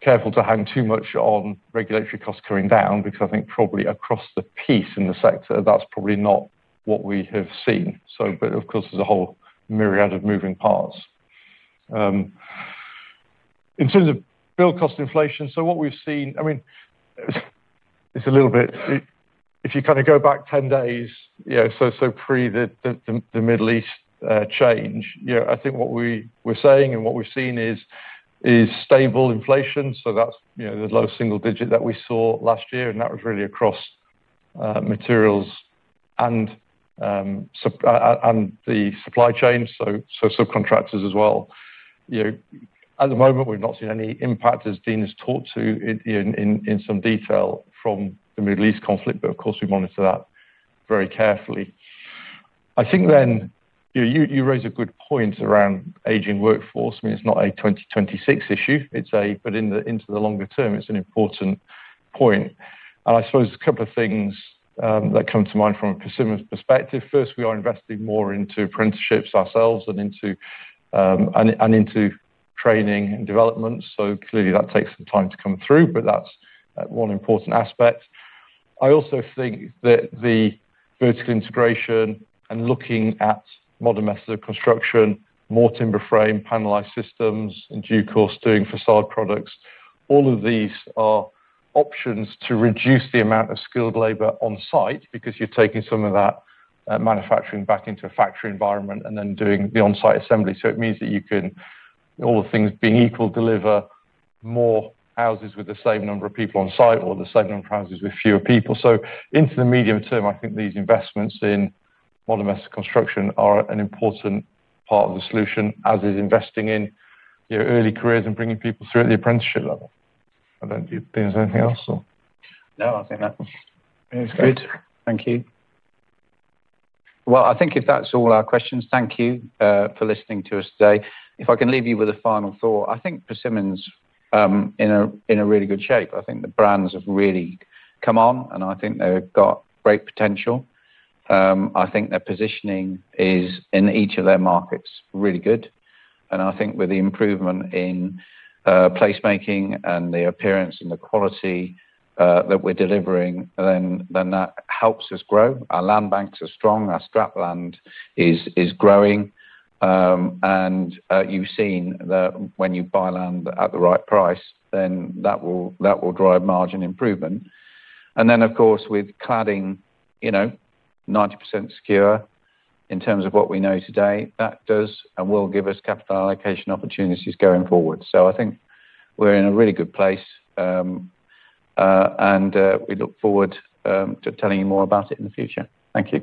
careful to hang too much on regulatory costs going down because I think probably across the piece in the sector, that's probably not what we have seen. But of course, there's a whole myriad of moving parts. In terms of build cost inflation, so what we've seen, I mean, if you kind of go back 10 days, you know, pre the Middle East change, you know, I think what we were saying and what we've seen is stable inflation. That's, you know, the low single digit that we saw last year, and that was really across materials and the supply chain, subcontractors as well. You know, at the moment, we've not seen any impact as Dean has talked to in some detail from the Middle East conflict, but of course, we monitor that very carefully. I think you raise a good point around aging workforce. I mean, it's not a 2026 issue. Into the longer term, it's an important point. I suppose a couple of things that come to mind from a Persimmon perspective. First, we are investing more into apprenticeships ourselves and into training and development. Clearly, that takes some time to come through, but that's one important aspect. I also think that the vertical integration and looking at modern methods of construction, more timber frame, panelized systems, in due course doing facade products, all of these are options to reduce the amount of skilled labor on site because you're taking some of that manufacturing back into a factory environment and then doing the on-site assembly. It means that you can, all things being equal, deliver more houses with the same number of people on site or the same number of houses with fewer people. Into the medium term, I think these investments in modern methods of construction are an important part of the solution, as is investing in, you know, early careers and bringing people through at the apprenticeship level. I don't know. Dean, is there anything else or? No, I think that was good. Thank you. Well, I think if that's all our questions, thank you for listening to us today. If I can leave you with a final thought, I think Persimmon's in a really good shape. I think the brands have really come on, and I think they've got great potential. I think their positioning is in each of their markets really good. I think with the improvement in placemaking and the appearance and the quality that we're delivering, then that helps us grow. Our land banks are strong, our strategic land is growing. You've seen that when you buy land at the right price, then that will drive margin improvement. Of course, with cladding, you know, 90% secure in terms of what we know today, that does and will give us capital allocation opportunities going forward. I think we're in a really good place, and we look forward to telling you more about it in the future. Thank you.